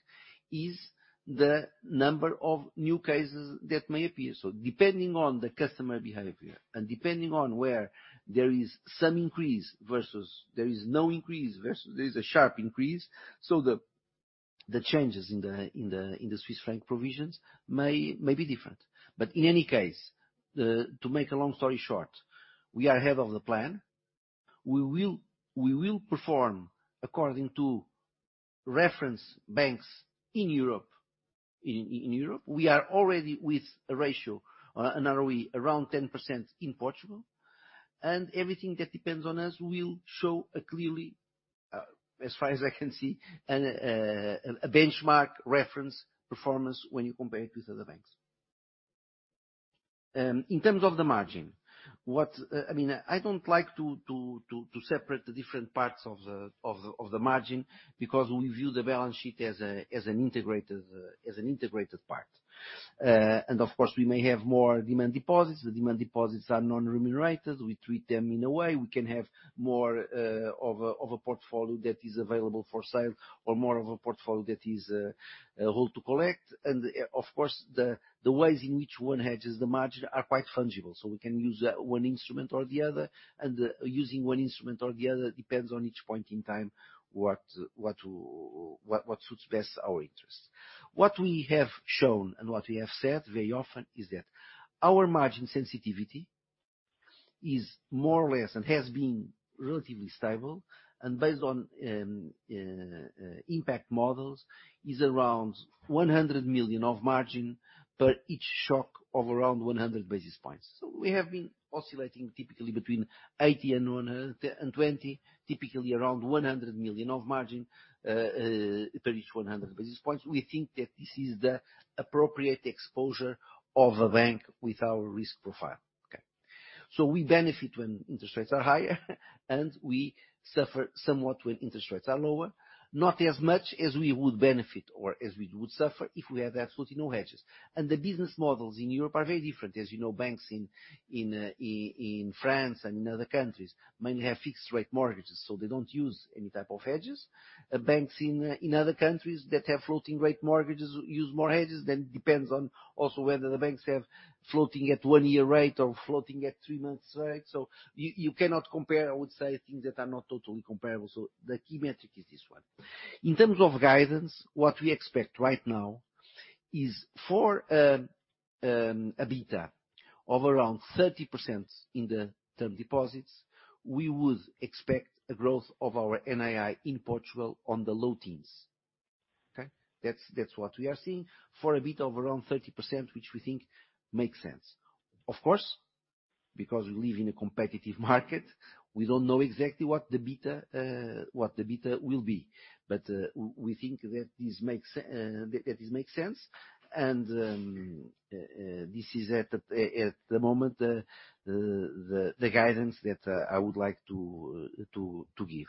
is the number of new cases that may appear. Depending on the customer behavior and depending on where there is some increase versus there is no increase versus there is a sharp increase, the changes in the Swiss franc provisions may be different. But in any case, to make a long story short, we are ahead of the plan. We will perform according to reference banks in Europe. We are already with a ratio, an ROE around 10% in Portugal, and everything that depends on us will show a clearly, as far as I can see, a benchmark reference performance when you compare it with other banks. In terms of the margin, what, I mean, I don't like to separate the different parts of the margin because we view the balance sheet as an integrated part. Of course, we may have more demand deposits. The demand deposits are non-remunerated. We treat them in a way we can have more of a portfolio that is available for sale or more of a portfolio that is hold to collect. Of course, the ways in which one hedges the margin are quite fungible, so we can use one instrument or the other. Using one instrument or the other depends on each point in time what suits best our interests. What we have shown and what we have said very often is that our margin sensitivity is more or less and has been relatively stable, and based on impact models, is around 100 million of margin per each shock of around 100 basis points. We have been oscillating typically between 80 and 120 basis points, typically around 100 million of margin per each 100 basis points. We think that this is the appropriate exposure of a bank with our risk profile. Okay? We benefit when interest rates are higher, and we suffer somewhat when interest rates are lower. Not as much as we would benefit or as we would suffer if we had absolutely no hedges. The business models in Europe are very different. As you know, banks in France and in other countries mainly have fixed rate mortgages, they don't use any type of hedges. Banks in other countries that have floating rate mortgages use more hedges, depends on also whether the banks have floating at one-year rate or floating at three-months rate. You cannot compare, I would say, things that are not totally comparable. The key metric is this one. In terms of guidance, what we expect right now is for a beta of around 30% in the term deposits, we would expect a growth of our NII in Portugal on the low teens. Okay? That's what we are seeing for a beta of around 30%, which we think makes sense. Of course, because we live in a competitive market, we don't know exactly what the beta, what the beta will be. We think that this makes that this makes sense and this is at the moment the guidance that I would like to give.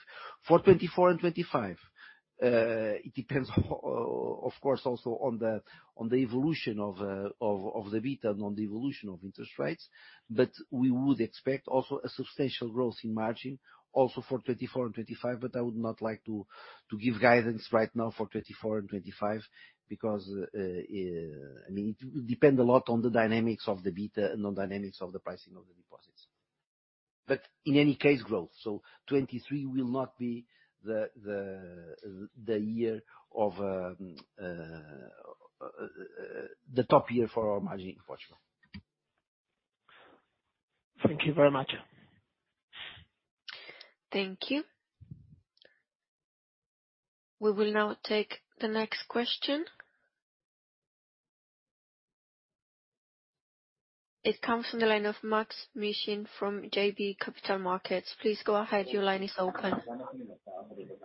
For 2024 and 2025, it depends of course, also on the evolution of the beta and on the evolution of interest rates. We would expect also a substantial growth in margin also for 2024 and 2025, but I would not like to give guidance right now for 2024 and 2025 because, I mean, it will depend a lot on the dynamics of the beta and on dynamics of the pricing of the deposits. In any case, growth. So, 2023 will not be the year of the top year for our margin in Portugal. Thank you very much. Thank you. We will now take the next question. It comes from the line of Maksym Mishyn from JB Capital Markets. Please go ahead. Your line is open.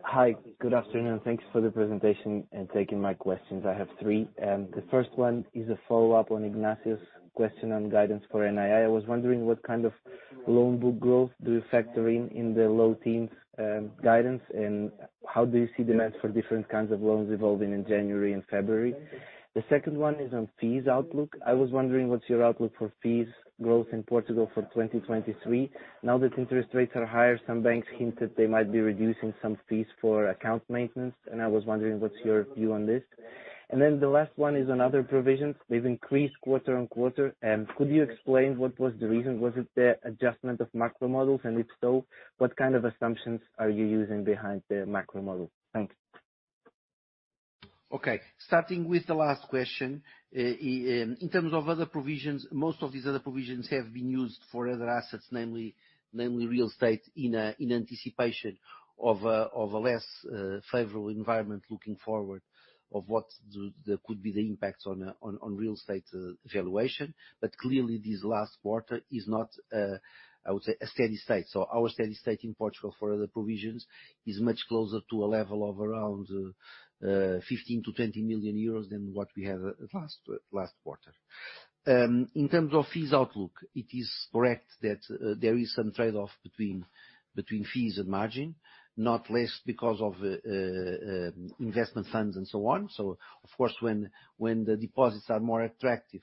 Hi. Good afternoon. Thanks for the presentation and taking my questions. I have three. The first one is a follow-up on Ignacio's question on guidance for NII. I was wondering what kind of loan book growth do you factor in the low teens guidance, and how do you see demand for different kinds of loans evolving in January and February? The second one is on fees outlook. I was wondering what's your outlook for fees growth in Portugal for 2023. Now that interest rates are higher, some banks hinted they might be reducing some fees for account maintenance, and I was wondering, what's your view on this? The last one is on other provisions. They've increased quarter on quarter. Could you explain what was the reason? Was it the adjustment of macro models? If so, what kind of assumptions are you using behind the macro model? Thanks. Okay, starting with the last question. In terms of other provisions, most of these other provisions have been used for other assets, namely real estate in anticipation of a less favorable environment looking forward of what could be the impacts on real estate valuation. Clearly, this last quarter is not, I would say a steady state. Our steady state in Portugal for other provisions is much closer to a level of around 15 million-20 million euros than what we had last quarter. In terms of fees outlook, it is correct that there is some trade-off between fees and margin, not least because of investment funds and so on. Of course, when the deposits are more attractive,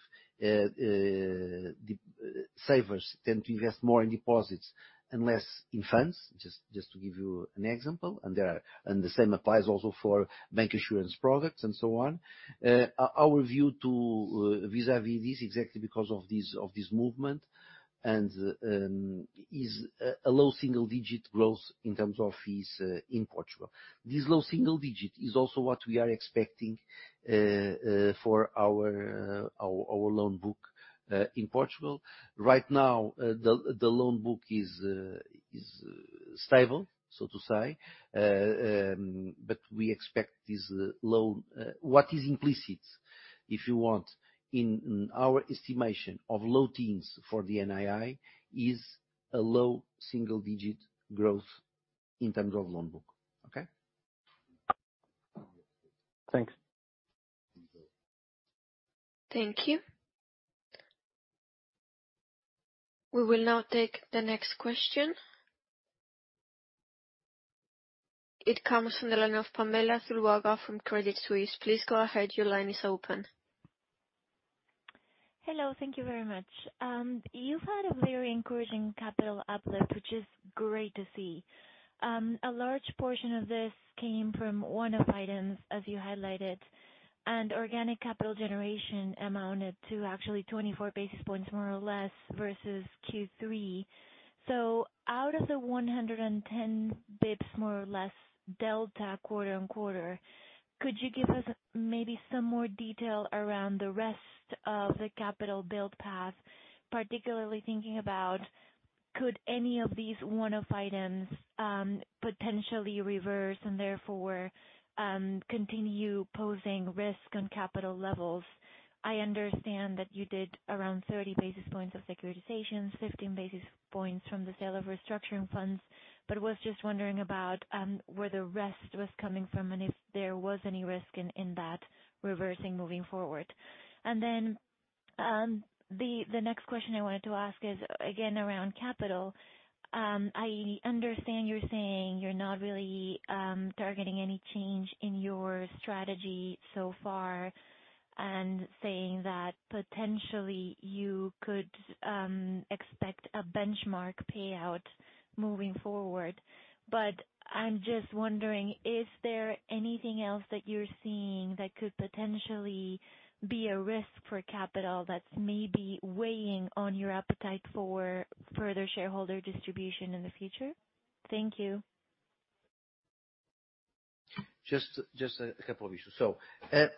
savers tend to invest more in deposits and less in funds, just to give you an example. The same applies also for bank insurance products and so on. Our view to, vis-à-vis this, exactly because of this, of this movement, is a low-single digit growth in terms of fees in Portugal. This low-single digit is also what we are expecting for our loan book in Portugal. Right now, the loan book is stable, so to say. What is implicit, if you want, in our estimation of low teens for the NII, is a low-single digit growth in terms of loan book. Okay? Thanks. Thank you. We will now take the next question. It comes from the line of Pamela Zuluaga from Credit Suisse. Please go ahead. Your line is open. Hello. Thank you very much. You've had a very encouraging capital uplift, which is great to see. A large portion of this came from one-off items, as you highlighted, and organic capital generation amounted to actually 24 basis points more or less versus Q3. Out of the 110 basis points, more or less delta quarter-on-quarter, could you give us maybe some more detail around the rest of the capital build path, particularly thinking about could any of these one-off items, potentially reverse and therefore, continue posing risk on capital levels? I understand that you did around 30 basis points of securitization, 15 basis points from the sale of restructuring funds. Was just wondering about, where the rest was coming from and if there was any risk in that reversing moving forward. The next question I wanted to ask is again around capital. I understand you're saying you're not really targeting any change in your strategy so far and saying that potentially you could expect a benchmark payout moving forward. I'm just wondering, is there anything else that you're seeing that could potentially be a risk for capital that's maybe weighing on your appetite for further shareholder distribution in the future? Thank you. Just a couple of issues.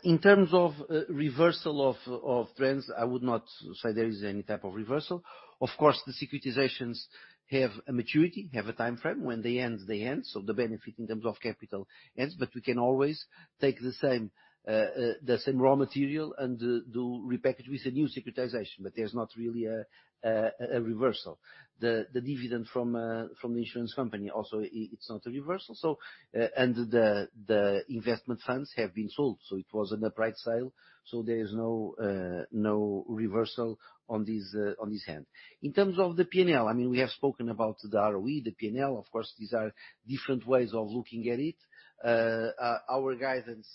In terms of reversal of trends, I would not say there is any type of reversal. Of course, the securitizations have a maturity, have a time frame. When they end, they end, so the benefit in terms of capital ends. We can always take the same raw material and do repackage with a new securitization, but there's not really a reversal. The dividend from the insurance company also it's not a reversal. The investment funds have been sold, so it was an upright sale, so there is no reversal on this end. In terms of the P&L, I mean, we have spoken about the ROE, the P&L. Of course, these are different ways of looking at it. Our guidance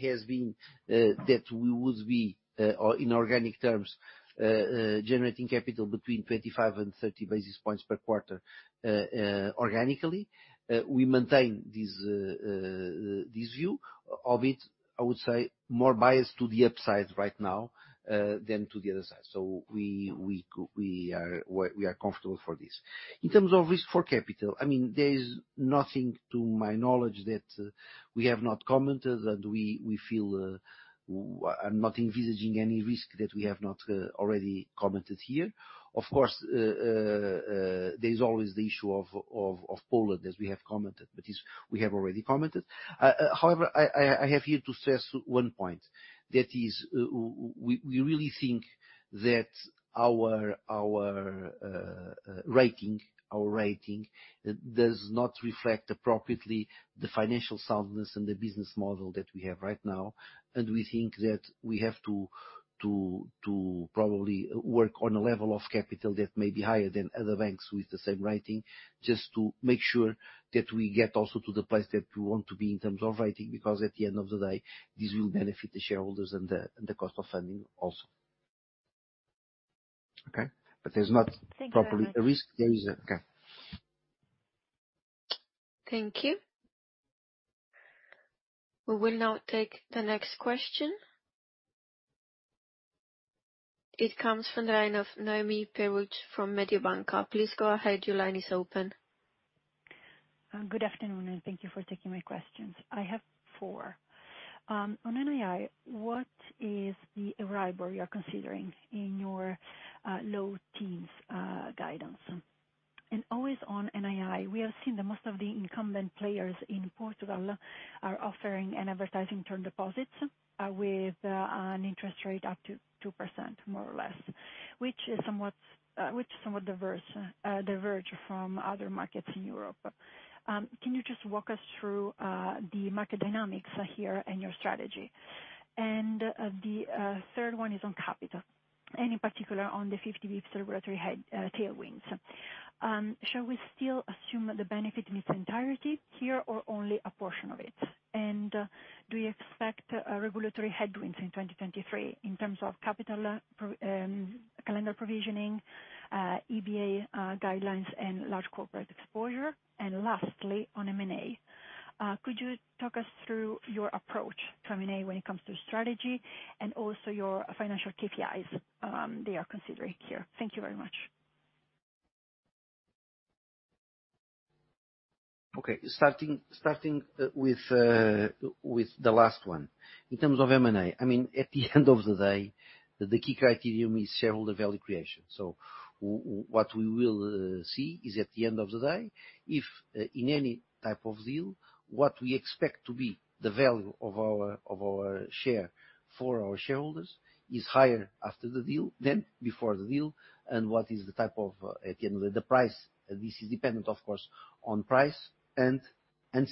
has been that we would be in organic terms generating capital between 25 and 30 basis points per quarter organically. We maintain this view of it, I would say more biased to the upside right now than to the other side. We are comfortable for this. In terms of risk for capital, I mean, there is nothing to my knowledge that we have not commented that we feel I'm not envisaging any risk that we have not already commented here. Of course, there is always the issue of Poland, as we have commented, but is we have already commented. However, I have here to stress one point. That is, we really think that our rating does not reflect appropriately the financial soundness and the business model that we have right now. We think that we have to probably work on a level of capital that may be higher than other banks with the same rating, just to make sure that we get also to the place that we want to be in terms of rating, because at the end of the day, this will benefit the shareholders and the cost of funding also. Okay. There's not properly- Thank you very much. There is a... Okay. Thank you. We will now take the next question. It comes from the line of Noemi Peruch from Mediobanca. Please go ahead, your line is open. Good afternoon, and thank you for taking my questions. I have four. On NII, what is the EURIBOR you're considering in your low teens guidance? Always on NII, we have seen that most of the incumbent players in Portugal are offering an advertising term deposits, with an interest rate up to 2% more or less, which is somewhat diverse, diverge from other markets in Europe. Can you just walk us through the market dynamics here and your strategy? The third one is on capital, and in particular on the 50 basis points regulatory head tailwinds. Shall we still assume the benefit in its entirety here or only a portion of it? Do you expect regulatory headwinds in 2023 in terms of capital, calendar provisioning, EBA guidelines and large corporate exposure? Lastly, on M&A, could you talk us through your approach to M&A when it comes to strategy and also your financial KPIs that you are considering here? Thank you very much. Okay. Starting with the last one. In terms of M&A, I mean, at the end of the day, the key criterion is shareholder value creation. What we will see is at the end of the day if in any type of deal, what we expect to be the value of our share for our shareholders is higher after the deal than before the deal, and what is the type of, at the end of the day, the price. This is dependent, of course, on price and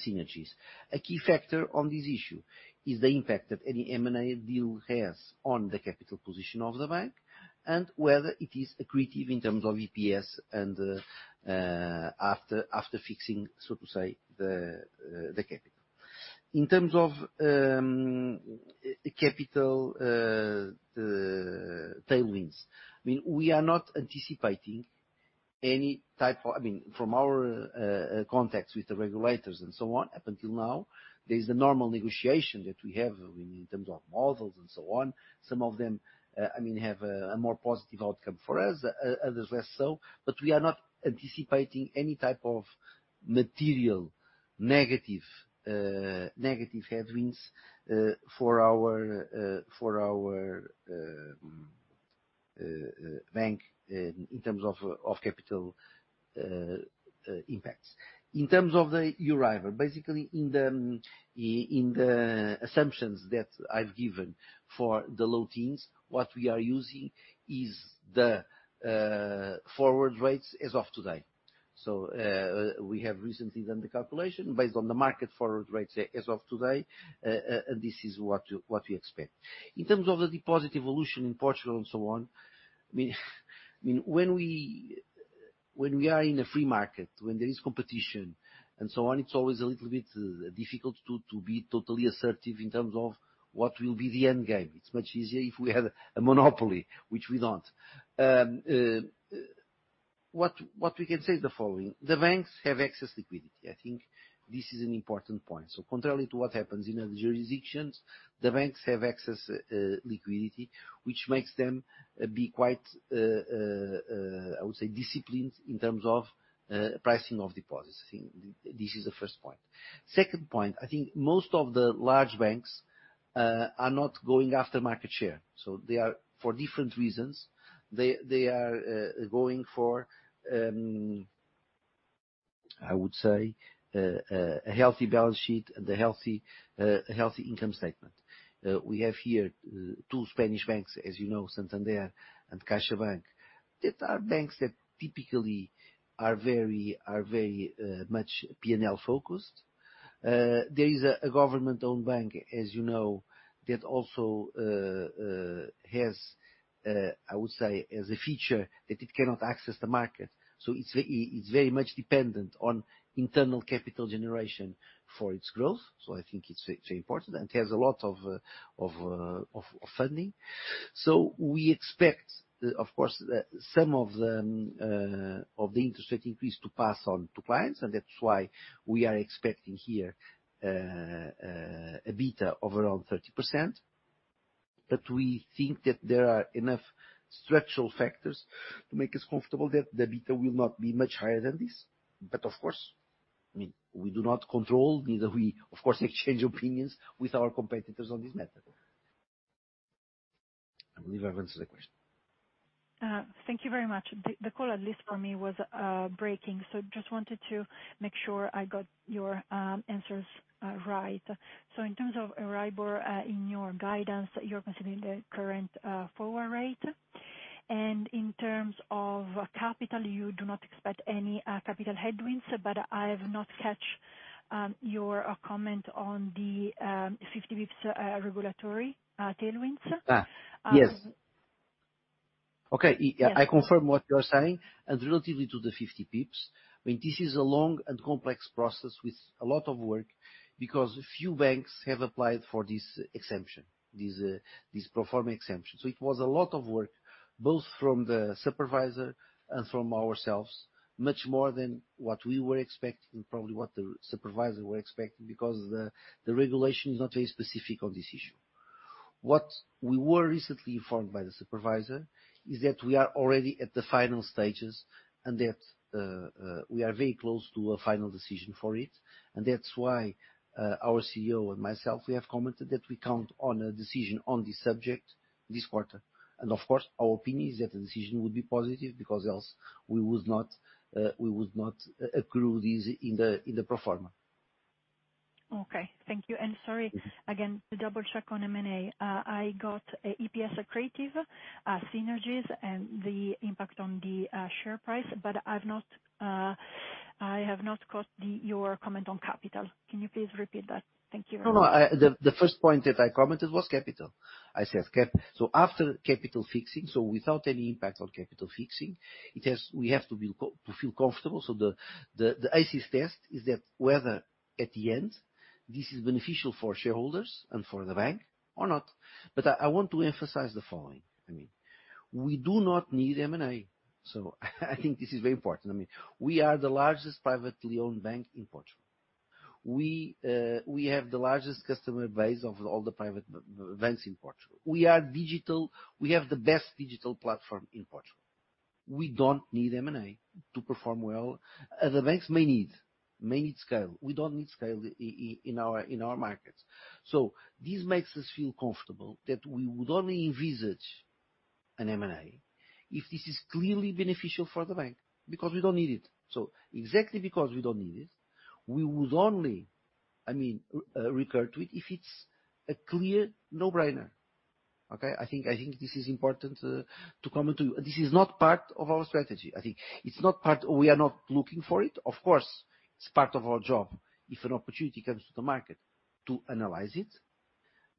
synergies. A key factor on this issue is the impact that any M&A deal has on the capital position of the bank and whether it is accretive in terms of EPS and after fixing, so to say, the capital. In terms of capital tailwinds, I mean, we are not anticipating. I mean, from our contacts with the regulators and so on up until now, there is the normal negotiation that we have in terms of models and so on. Some of them, I mean, have a more positive outcome for us, others less so. We are not anticipating any type of material negative headwinds for our bank in terms of capital impacts. In terms of the EURIBOR, basically in the assumptions that I've given for the low teens, what we are using is the forward rates as of today. We have recently done the calculation based on the market forward rates as of today, and this is what we expect. In terms of the deposit evolution in Portugal and so on, I mean, when we are in a free market, when there is competition and so on, it's always a little bit difficult to be totally assertive in terms of what will be the end game. It's much easier if we had a monopoly, which we don't. What we can say is the following: the banks have excess liquidity. I think this is an important point. Contrary to what happens in other jurisdictions, the banks have excess liquidity, which makes them be quite, I would say disciplined in terms of pricing of deposits. This is the first point. Second point, I think most of the large banks are not going after market share. They are, for different reasons, they are going for, I would say, a healthy balance sheet and a healthy income statement. We have here two Spanish banks, as you know, Santander and CaixaBank, that are banks that typically are very much P&L focused. There is a government-owned bank, as you know, that also has, I would say as a feature that it cannot access the market. It's very much dependent on internal capital generation for its growth. I think it's very important and has a lot of funding. We expect, of course, some of the interest rate increase to pass on to clients, and that's why we are expecting here a beta of around 30%. We think that there are enough structural factors to make us comfortable that the beta will not be much higher than this. Of course, I mean, we do not control, neither we, of course, exchange opinions with our competitors on this matter. I believe I've answered the question. Thank you very much. The call, at least for me, was breaking, just wanted to make sure I got your answers right. In terms of EURIBOR, in your guidance, you're considering the current forward rate. In terms of capital, you do not expect any capital headwinds, but I have not catch your comment on the 50 basis points regulatory tailwinds. Yes. Okay. Yes. I confirm what you're saying. Relatively to the 50 basis points, I mean, this is a long and complex process with a lot of work because few banks have applied for this exemption. These pro forma exemptions. It was a lot of work, both from the supervisor and from ourselves, much more than what we were expecting, probably what the supervisor were expecting, because the regulation is not very specific on this issue. What we were recently informed by the supervisor is that we are already at the final stages and that we are very close to a final decision for it. That's why our CEO and myself, we have commented that we count on a decision on this subject this quarter. Of course, our opinion is that the decision would be positive because else we would not accrue this in the pro forma. Okay. Thank you. Sorry again, to double-check on M&A. I got EPS accretive synergies and the impact on the share price, I've not, I have not caught your comment on capital. Can you please repeat that? Thank you very much. No, no. The first point that I commented was capital. After capital fixing, without any impact on capital fixing, we have to feel comfortable. The axis test is that whether at the end, this is beneficial for shareholders and for the bank or not? I want to emphasize the following. I mean, we do not need M&A. I think this is very important. I mean, we are the largest privately owned bank in Portugal. We have the largest customer base of all the private banks in Portugal. We are digital. We have the best digital platform in Portugal. We don't need M&A to perform well. Other banks may need scale. We don't need scale in our markets. This makes us feel comfortable that we would only envisage an M&A if this is clearly beneficial for the bank, because we don't need it. Exactly because we don't need it, we would only, I mean, record to it if it's a clear no-brainer. Okay. I think this is important to comment to you. This is not part of our strategy. I think it's not part. We are not looking for it. Of course, it's part of our job if an opportunity comes to the market to analyze it,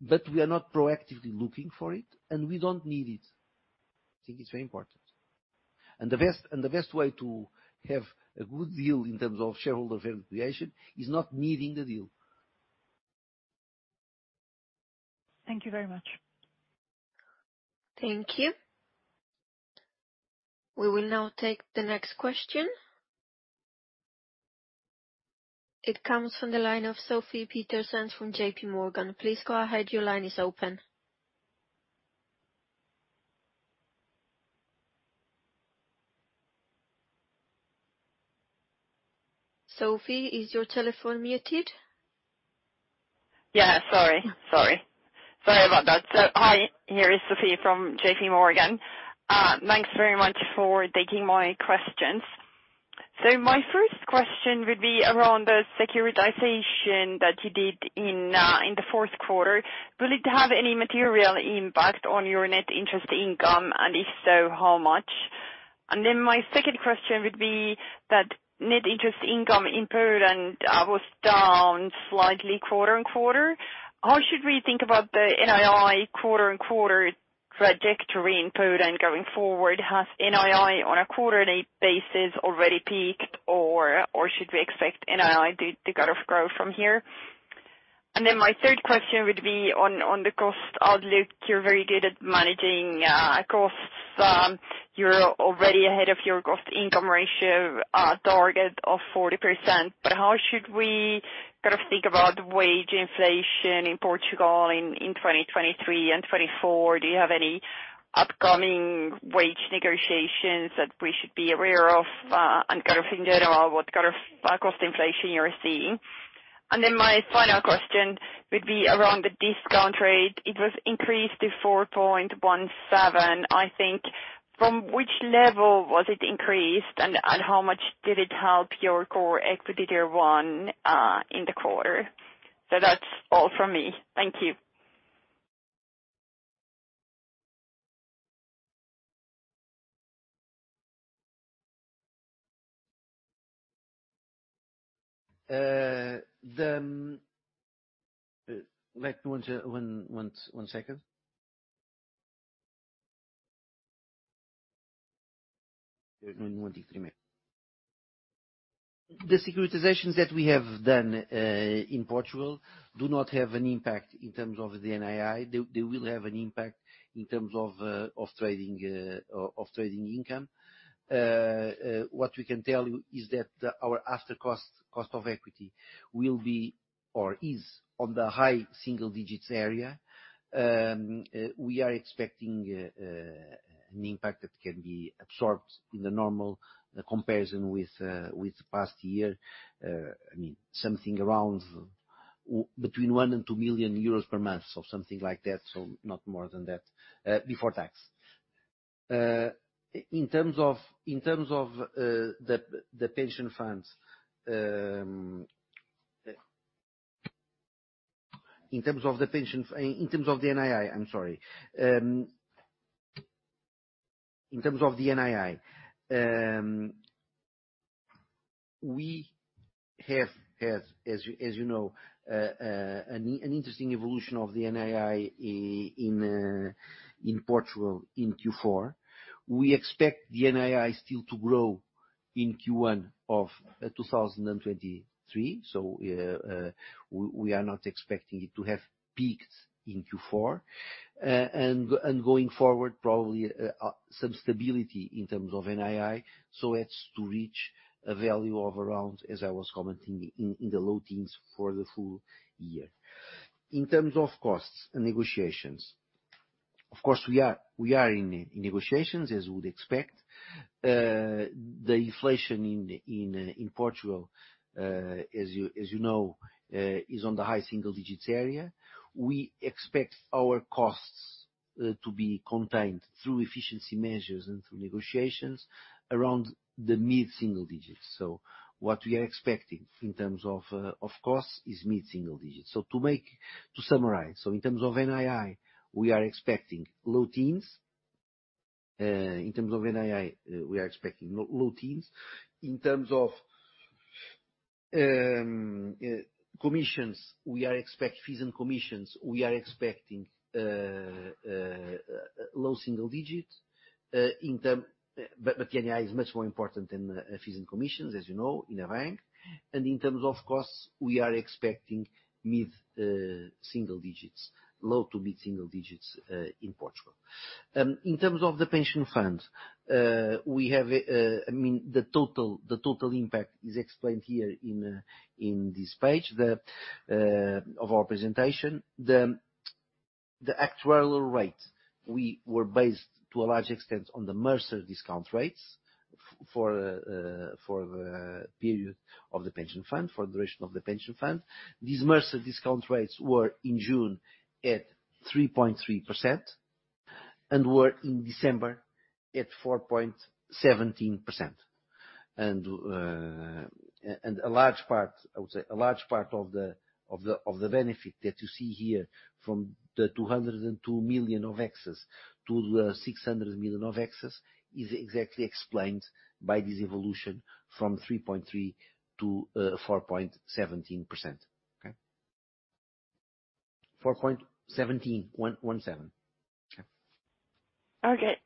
but we are not proactively looking for it, and we don't need it. I think it's very important. The best way to have a good deal in terms of shareholder value creation is not needing the deal. Thank you very much. Thank you. We will now take the next question. It comes from the line of Sofie Peterzens from JPMorgan. Please go ahead. Your line is open. Sophie, is your telephone muted? Sorry about that. Hi, here is Sofie from JPMorgan. Thanks very much for taking my questions. My first question would be around the securitization that you did in the fourth quarter. Will it have any material impact on your net interest income, and if so, how much? My second question would be that net interest income in Poland was down slightly quarter-on-quarter. How should we think about the NII quarter-on-quarter trajectory in Poland going forward? Has NII on the quarter in 8 basis points already peaked or should we expect NII to kind of grow from here? My third question would be on the cost outlook. You're very good at managing costs. You're already ahead of your cost income ratio target of 40%. How should we kind of think about wage inflation in Portugal in 2023 and 2024? Do you have any upcoming wage negotiations that we should be aware of? In general, what kind of cost inflation you're seeing? My final question would be around the discount rate. It was increased to 4.17, I think. From which level was it increased and how much did it help your Common Equity Tier 1 in the quarter? That's all from me. Thank you. Hold on one second. The securitizations that we have done in Portugal do not have an impact in terms of the NII. They will have an impact in terms of trading income. What we can tell you is that our after cost of equity will be or is on the high-single digits area. We are expecting an impact that can be absorbed in the normal comparison with the past year. I mean, something around between 1 million and 2 million euros per month or something like that, so not more than that before tax. In terms of the pension funds, in terms of the NII, I'm sorry. In terms of the NII, as you know, an interesting evolution of the NII in Portugal in Q4. We expect the NII still to grow in Q1 of 2023. We are not expecting it to have peaked in Q4. Going forward, probably some stability in terms of NII. It's to reach a value of around, as I was commenting, in the low teens for the full year. In terms of costs and negotiations, of course, we are in negotiations, as you would expect. The inflation in Portugal, as you know, is on the high-single digits area. We expect our costs to be contained through efficiency measures and through negotiations around the mid-single digits. What we are expecting in terms of costs is mid-single digits. To summarize, in terms of NII, we are expecting low teens and in terms of commissions, fees and commissions, we are expecting low-single digits. But NII is much more important than fees and commissions, as you know, in a bank. In terms of costs, we are expecting mid-single digits. Low-to-mid-single digits in Portugal. In terms of the pension fund, we have, I mean, the total impact is explained here in this page, the of our presentation. The actuarial rate, we were based to a large extent on the Mercer discount rates for the period of the pension fund, for the duration of the pension fund. These Mercer discount rates were in June at 3.3% and were in December at 4.17%. A large part, I would say, a large part of the benefit that you see here from the 202 million of excess to the 600 million of excess is exactly explained by this evolution from 3.3% to 4.17%, okay? 4.17%, okay? Okay.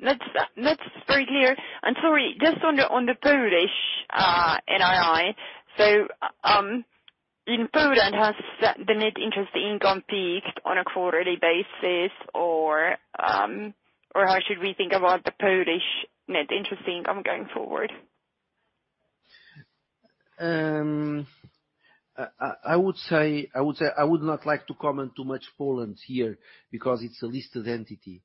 That's very clear. Sorry, just on the Polish NII. In Poland, has the net interest income peaked on a quarterly basis or how should we think about the Polish net interest income going forward? I would say, I would not like to comment too much Poland here because it's a listed entity.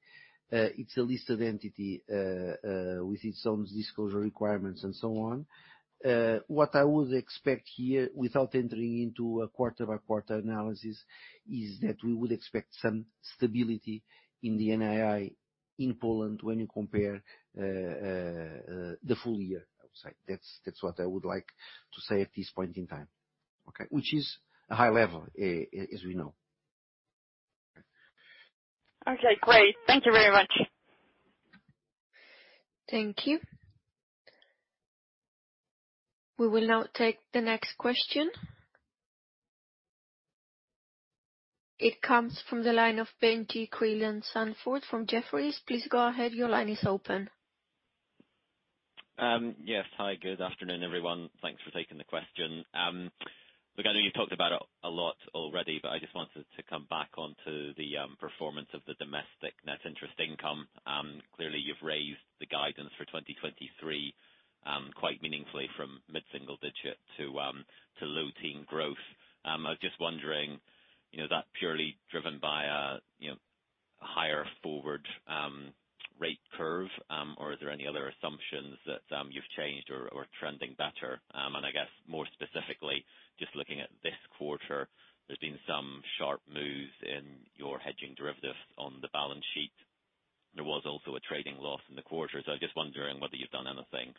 It's a listed entity with its own disclosure requirements and so on. What I would expect here, without entering into a quarter-by-quarter analysis, is that we would expect some stability in the NII in Poland when you compare the full year, I would say. That's what I would like to say at this point in time. Okay? Which is a high level as we know. Okay, great. Thank you very much. Thank you. We will now take the next question. It comes from the line of Benjie Creelan-Sandford from Jefferies. Please go ahead. Your line is open. Yes. Hi, good afternoon, everyone. Thanks for taking the question. Look, I know you've talked about it a lot already, but I just wanted to come back onto the performance of the domestic net interest income. Clearly you've raised the guidance for 2023 quite meaningfully from mid-single digit to low-teen growth. I was just wondering, you know, is that purely driven by, you know, a higher forward rate curve? Is there any other assumptions that you've changed or are trending better? I guess more specifically, just looking at this quarter, there's been some sharp moves in your hedging derivatives on the balance sheet. There was also a trading loss in the quarter. I'm just wondering whether you've done anything,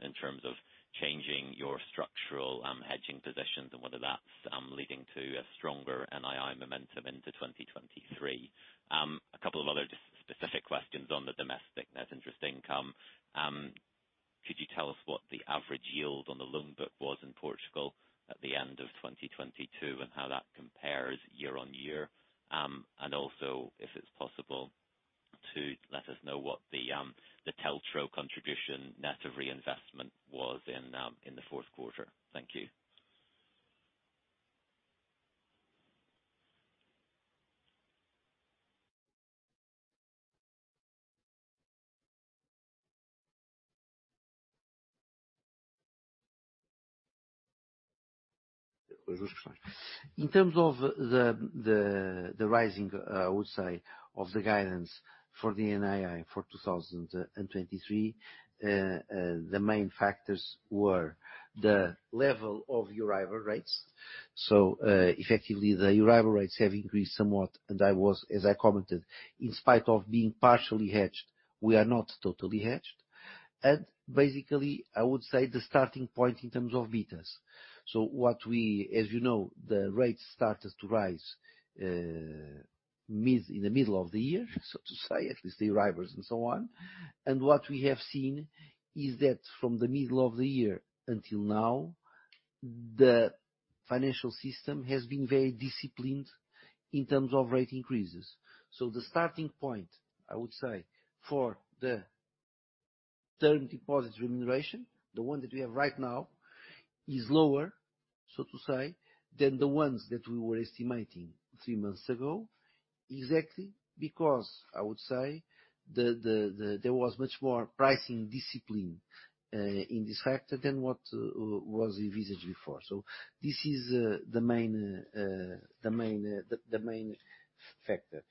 in terms of changing your structural, hedging positions and whether that's leading to a stronger NII momentum into 2023. A couple of other just specific questions on the domestic net interest income. Could you tell us what the average yield on the loan book was in Portugal at the end of 2022, and how that compares year-over-year? If it's possible to let us know what the TLTRO contribution net of reinvestment was in the fourth quarter. Thank you. In terms of the rising, I would say, of the guidance for the NII for 2023, the main factors were the level of EURIBOR rates. Effectively, the EURIBOR rates have increased somewhat, and I was, as I commented, in spite of being partially hedged, we are not totally hedged. Basically, I would say the starting point in terms of betas. As you know, the rates started to rise, mid, in the middle of the year, so to say, at least the EURIBOR and so on. What we have seen is that from the middle of the year until now. The financial system has been very disciplined in terms of rate increases. The starting point, I would say, for the term deposit remuneration, the one that we have right now, is lower, so to say, than the ones that we were estimating three months ago. Exactly because, I would say, there was much more pricing discipline in this factor than what was envisaged before. This is the main factor.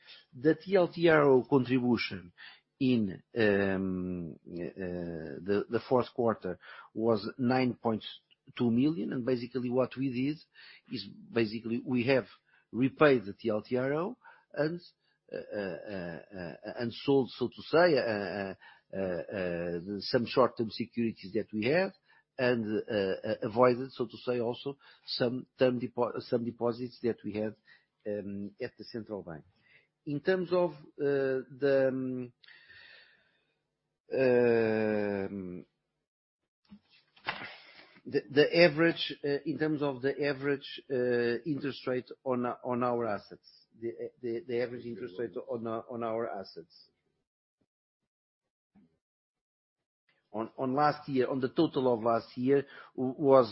The TLTRO contribution in the fourth quarter was 9.2 million. Basically what we did is, we have repaid the TLTRO and sold, so to say, some short-term securities that we have and avoided, so to say also, some deposits that we had at the central bank. In terms of the average interest rate on our assets. On last year, on the total of last year was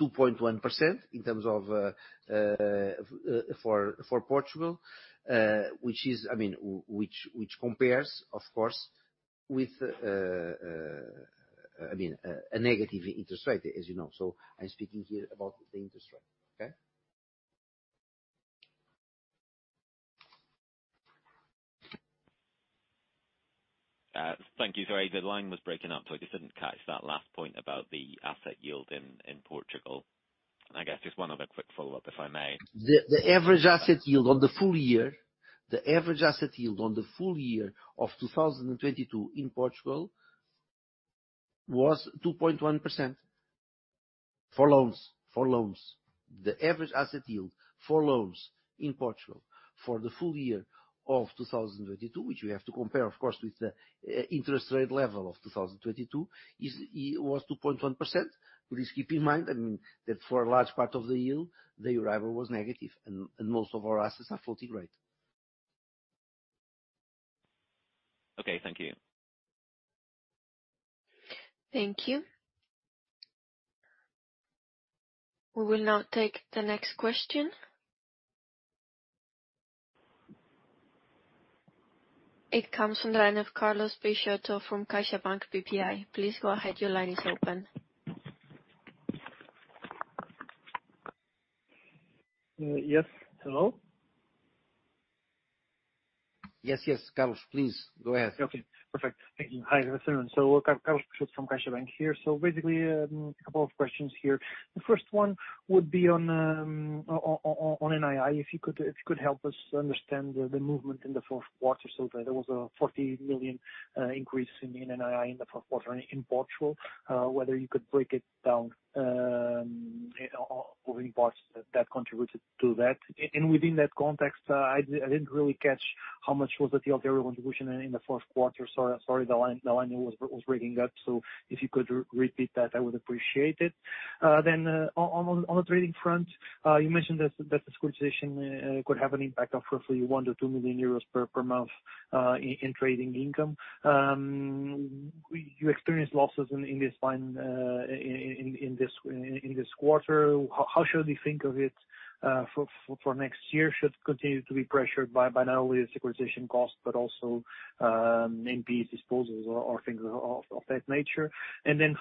2.1% in terms of for Portugal, I mean, which compares of course with I mean, a negative interest rate, as you know. I'm speaking here about the interest rate, okay? Thank you. Sorry, the line was breaking up, so I just didn't catch that last point about the asset yield in Portugal. I guess just one other quick follow-up, if I may. The average asset yield on the full year of 2022 in Portugal was 2.1% for loans. The average asset yield for loans in Portugal for the full year of 2022, which we have to compare of course with the interest rate level of 2022, was 2.1%. Please keep in mind, I mean, that for a large part of the yield, the EURIBOR rates were negative and most of our assets are floating rate. Okay. Thank you. Thank you. We will now take the next question. It comes from the line of Carlos Peixoto from CaixaBank BPI. Please go ahead. Your line is open. Yes. Hello? Yes, yes, Carlos, please go ahead. Okay, perfect. Thank you. Hi, everyone. Carlos Peixoto from CaixaBank here. Basically, a couple of questions here. The first one would be on NII, if you could help us understand the movement in the fourth quarter. There was a 40 million increase in NII in the fourth quarter in Portugal. Within that context, I didn't really catch how much was the TLTRO contribution in the fourth quarter. Sorry, the line was breaking up. If you could repeat that, I would appreciate it. On the trading front, you mentioned that the securitization could have an impact of roughly 1 million-2 million euros per month in trading income. You experienced losses in this line, in this quarter. How should we think of it for next year? Should it continue to be pressured by not only the securitization cost but also NPE disposals or things of that nature?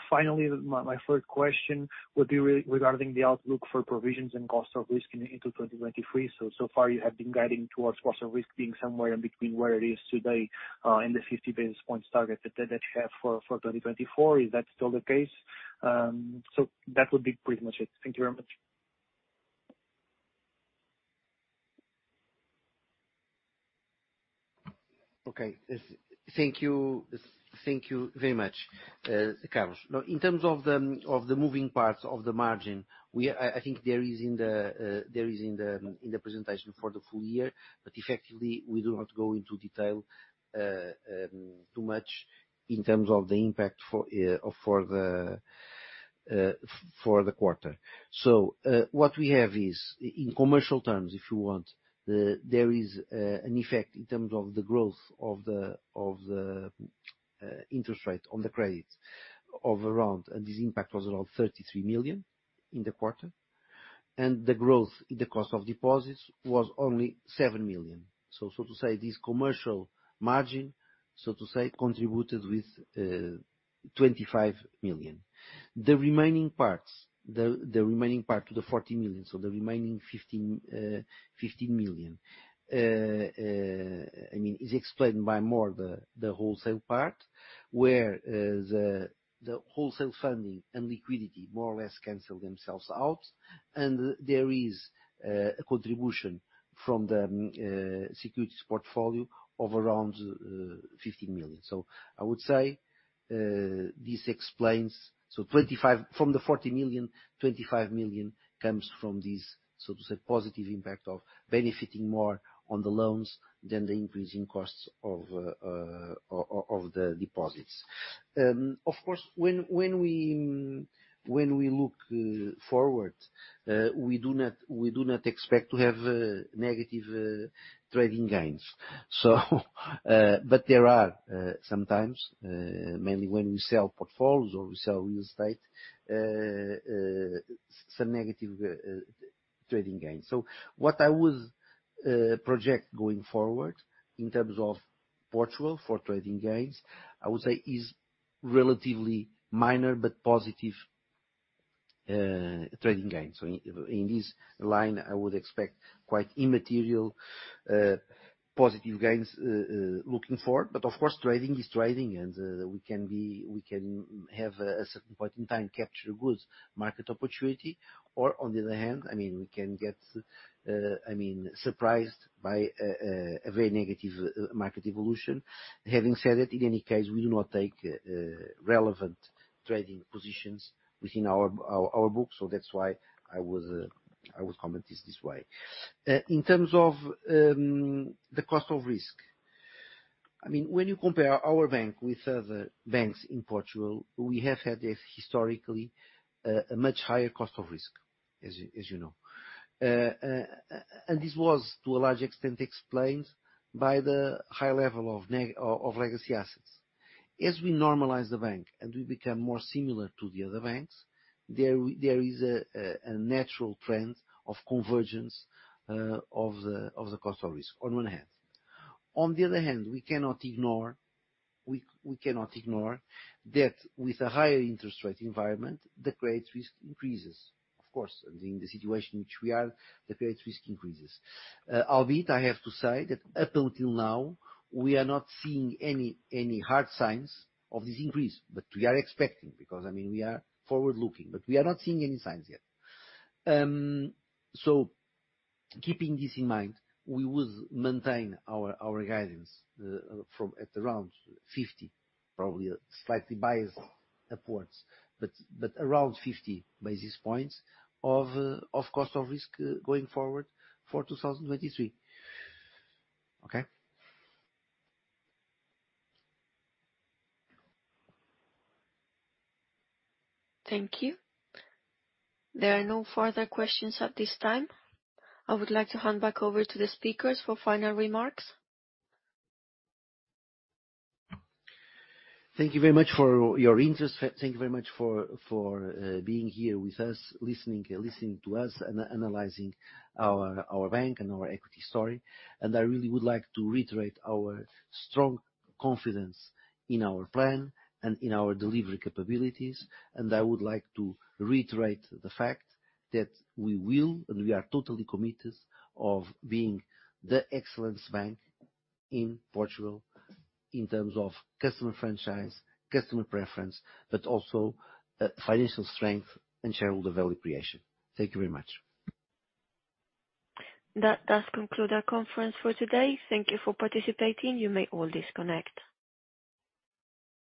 Finally, my third question would be regarding the outlook for provisions and cost of risk into 2023. So far you have been guiding towards cost of risk being somewhere in between where it is today, and the 50 basis points target that you have for 2024. Is that still the case? That would be pretty much it. Thank you very much. Okay. Thank you, thank you very much, Carlos. In terms of the moving parts of the margin, we I think there is in the presentation for the full year. Effectively, we do not go into detail too much in terms of the impact for the quarter. What we have is in commercial terms, if you want, there is an effect in terms of the growth of the interest rate on the credits of around, and this impact was around 33 million in the quarter. The growth in the cost of deposits was only 7 million. So to say, this commercial margin, so to say, contributed with 25 million. The remaining parts, the remaining part to the 40 million, so the remaining 15 million, I mean, is explained by more the wholesale part, where the wholesale funding and liquidity more or less cancel themselves out. There is a contribution from the securities portfolio of around 15 million. I would say this explains. 25 million from the 40 million, 25 million comes from this, so to say, positive impact of benefiting more on the loans than the increasing costs of the deposits. Of course, when we look forward, we do not expect to have negative trading gains. But there are sometimes, mainly when we sell portfolios or we sell real estate, some negative trading gains. What I would project going forward in terms of Portugal for trading gains, I would say is relatively minor but positive trading gains. In this line, I would expect quite immaterial positive gains looking forward. Of course, trading is trading, and we can have a certain point in time capture good market opportunity or on the other hand, I mean, we can get, I mean, surprised by a very negative market evolution. Having said that, in any case, we do not take relevant trading positions within our books, so that's why I would comment this way. In terms of, I mean, the cost of risk, when you compare our bank with other banks in Portugal, we have had a historically, a much higher cost of risk, as you know. This was, to a large extent, explained by the high level of legacy assets. As we normalize the bank and we become more similar to the other banks, there is a natural trend of convergence of the cost of risk on one hand. On the other hand, we cannot ignore that with a higher interest rate environment, the credit risk increases. Of course, in the situation which we are, the credit risk increases. Albeit I have to say that up until now, we are not seeing any hard signs of this increase. We are expecting because, I mean, we are forward-looking, but we are not seeing any signs yet. Keeping this in mind, we would maintain our guidance from at around 50, probably slightly biased upwards, but around 50 basis points of cost of risk going forward for 2023. Okay? Thank you. There are no further questions at this time. I would like to hand back over to the speakers for final remarks. Thank you very much for your interest. Thank you very much for being here with us, listening to us, analyzing our bank and our equity story. I really would like to reiterate our strong confidence in our plan and in our delivery capabilities. I would like to reiterate the fact that we will, and we are totally committed of being the excellence bank in Portugal in terms of customer franchise, customer preference, but also financial strength and shareholder value creation. Thank you very much. That does conclude our conference for today. Thank you for participating. You may all disconnect.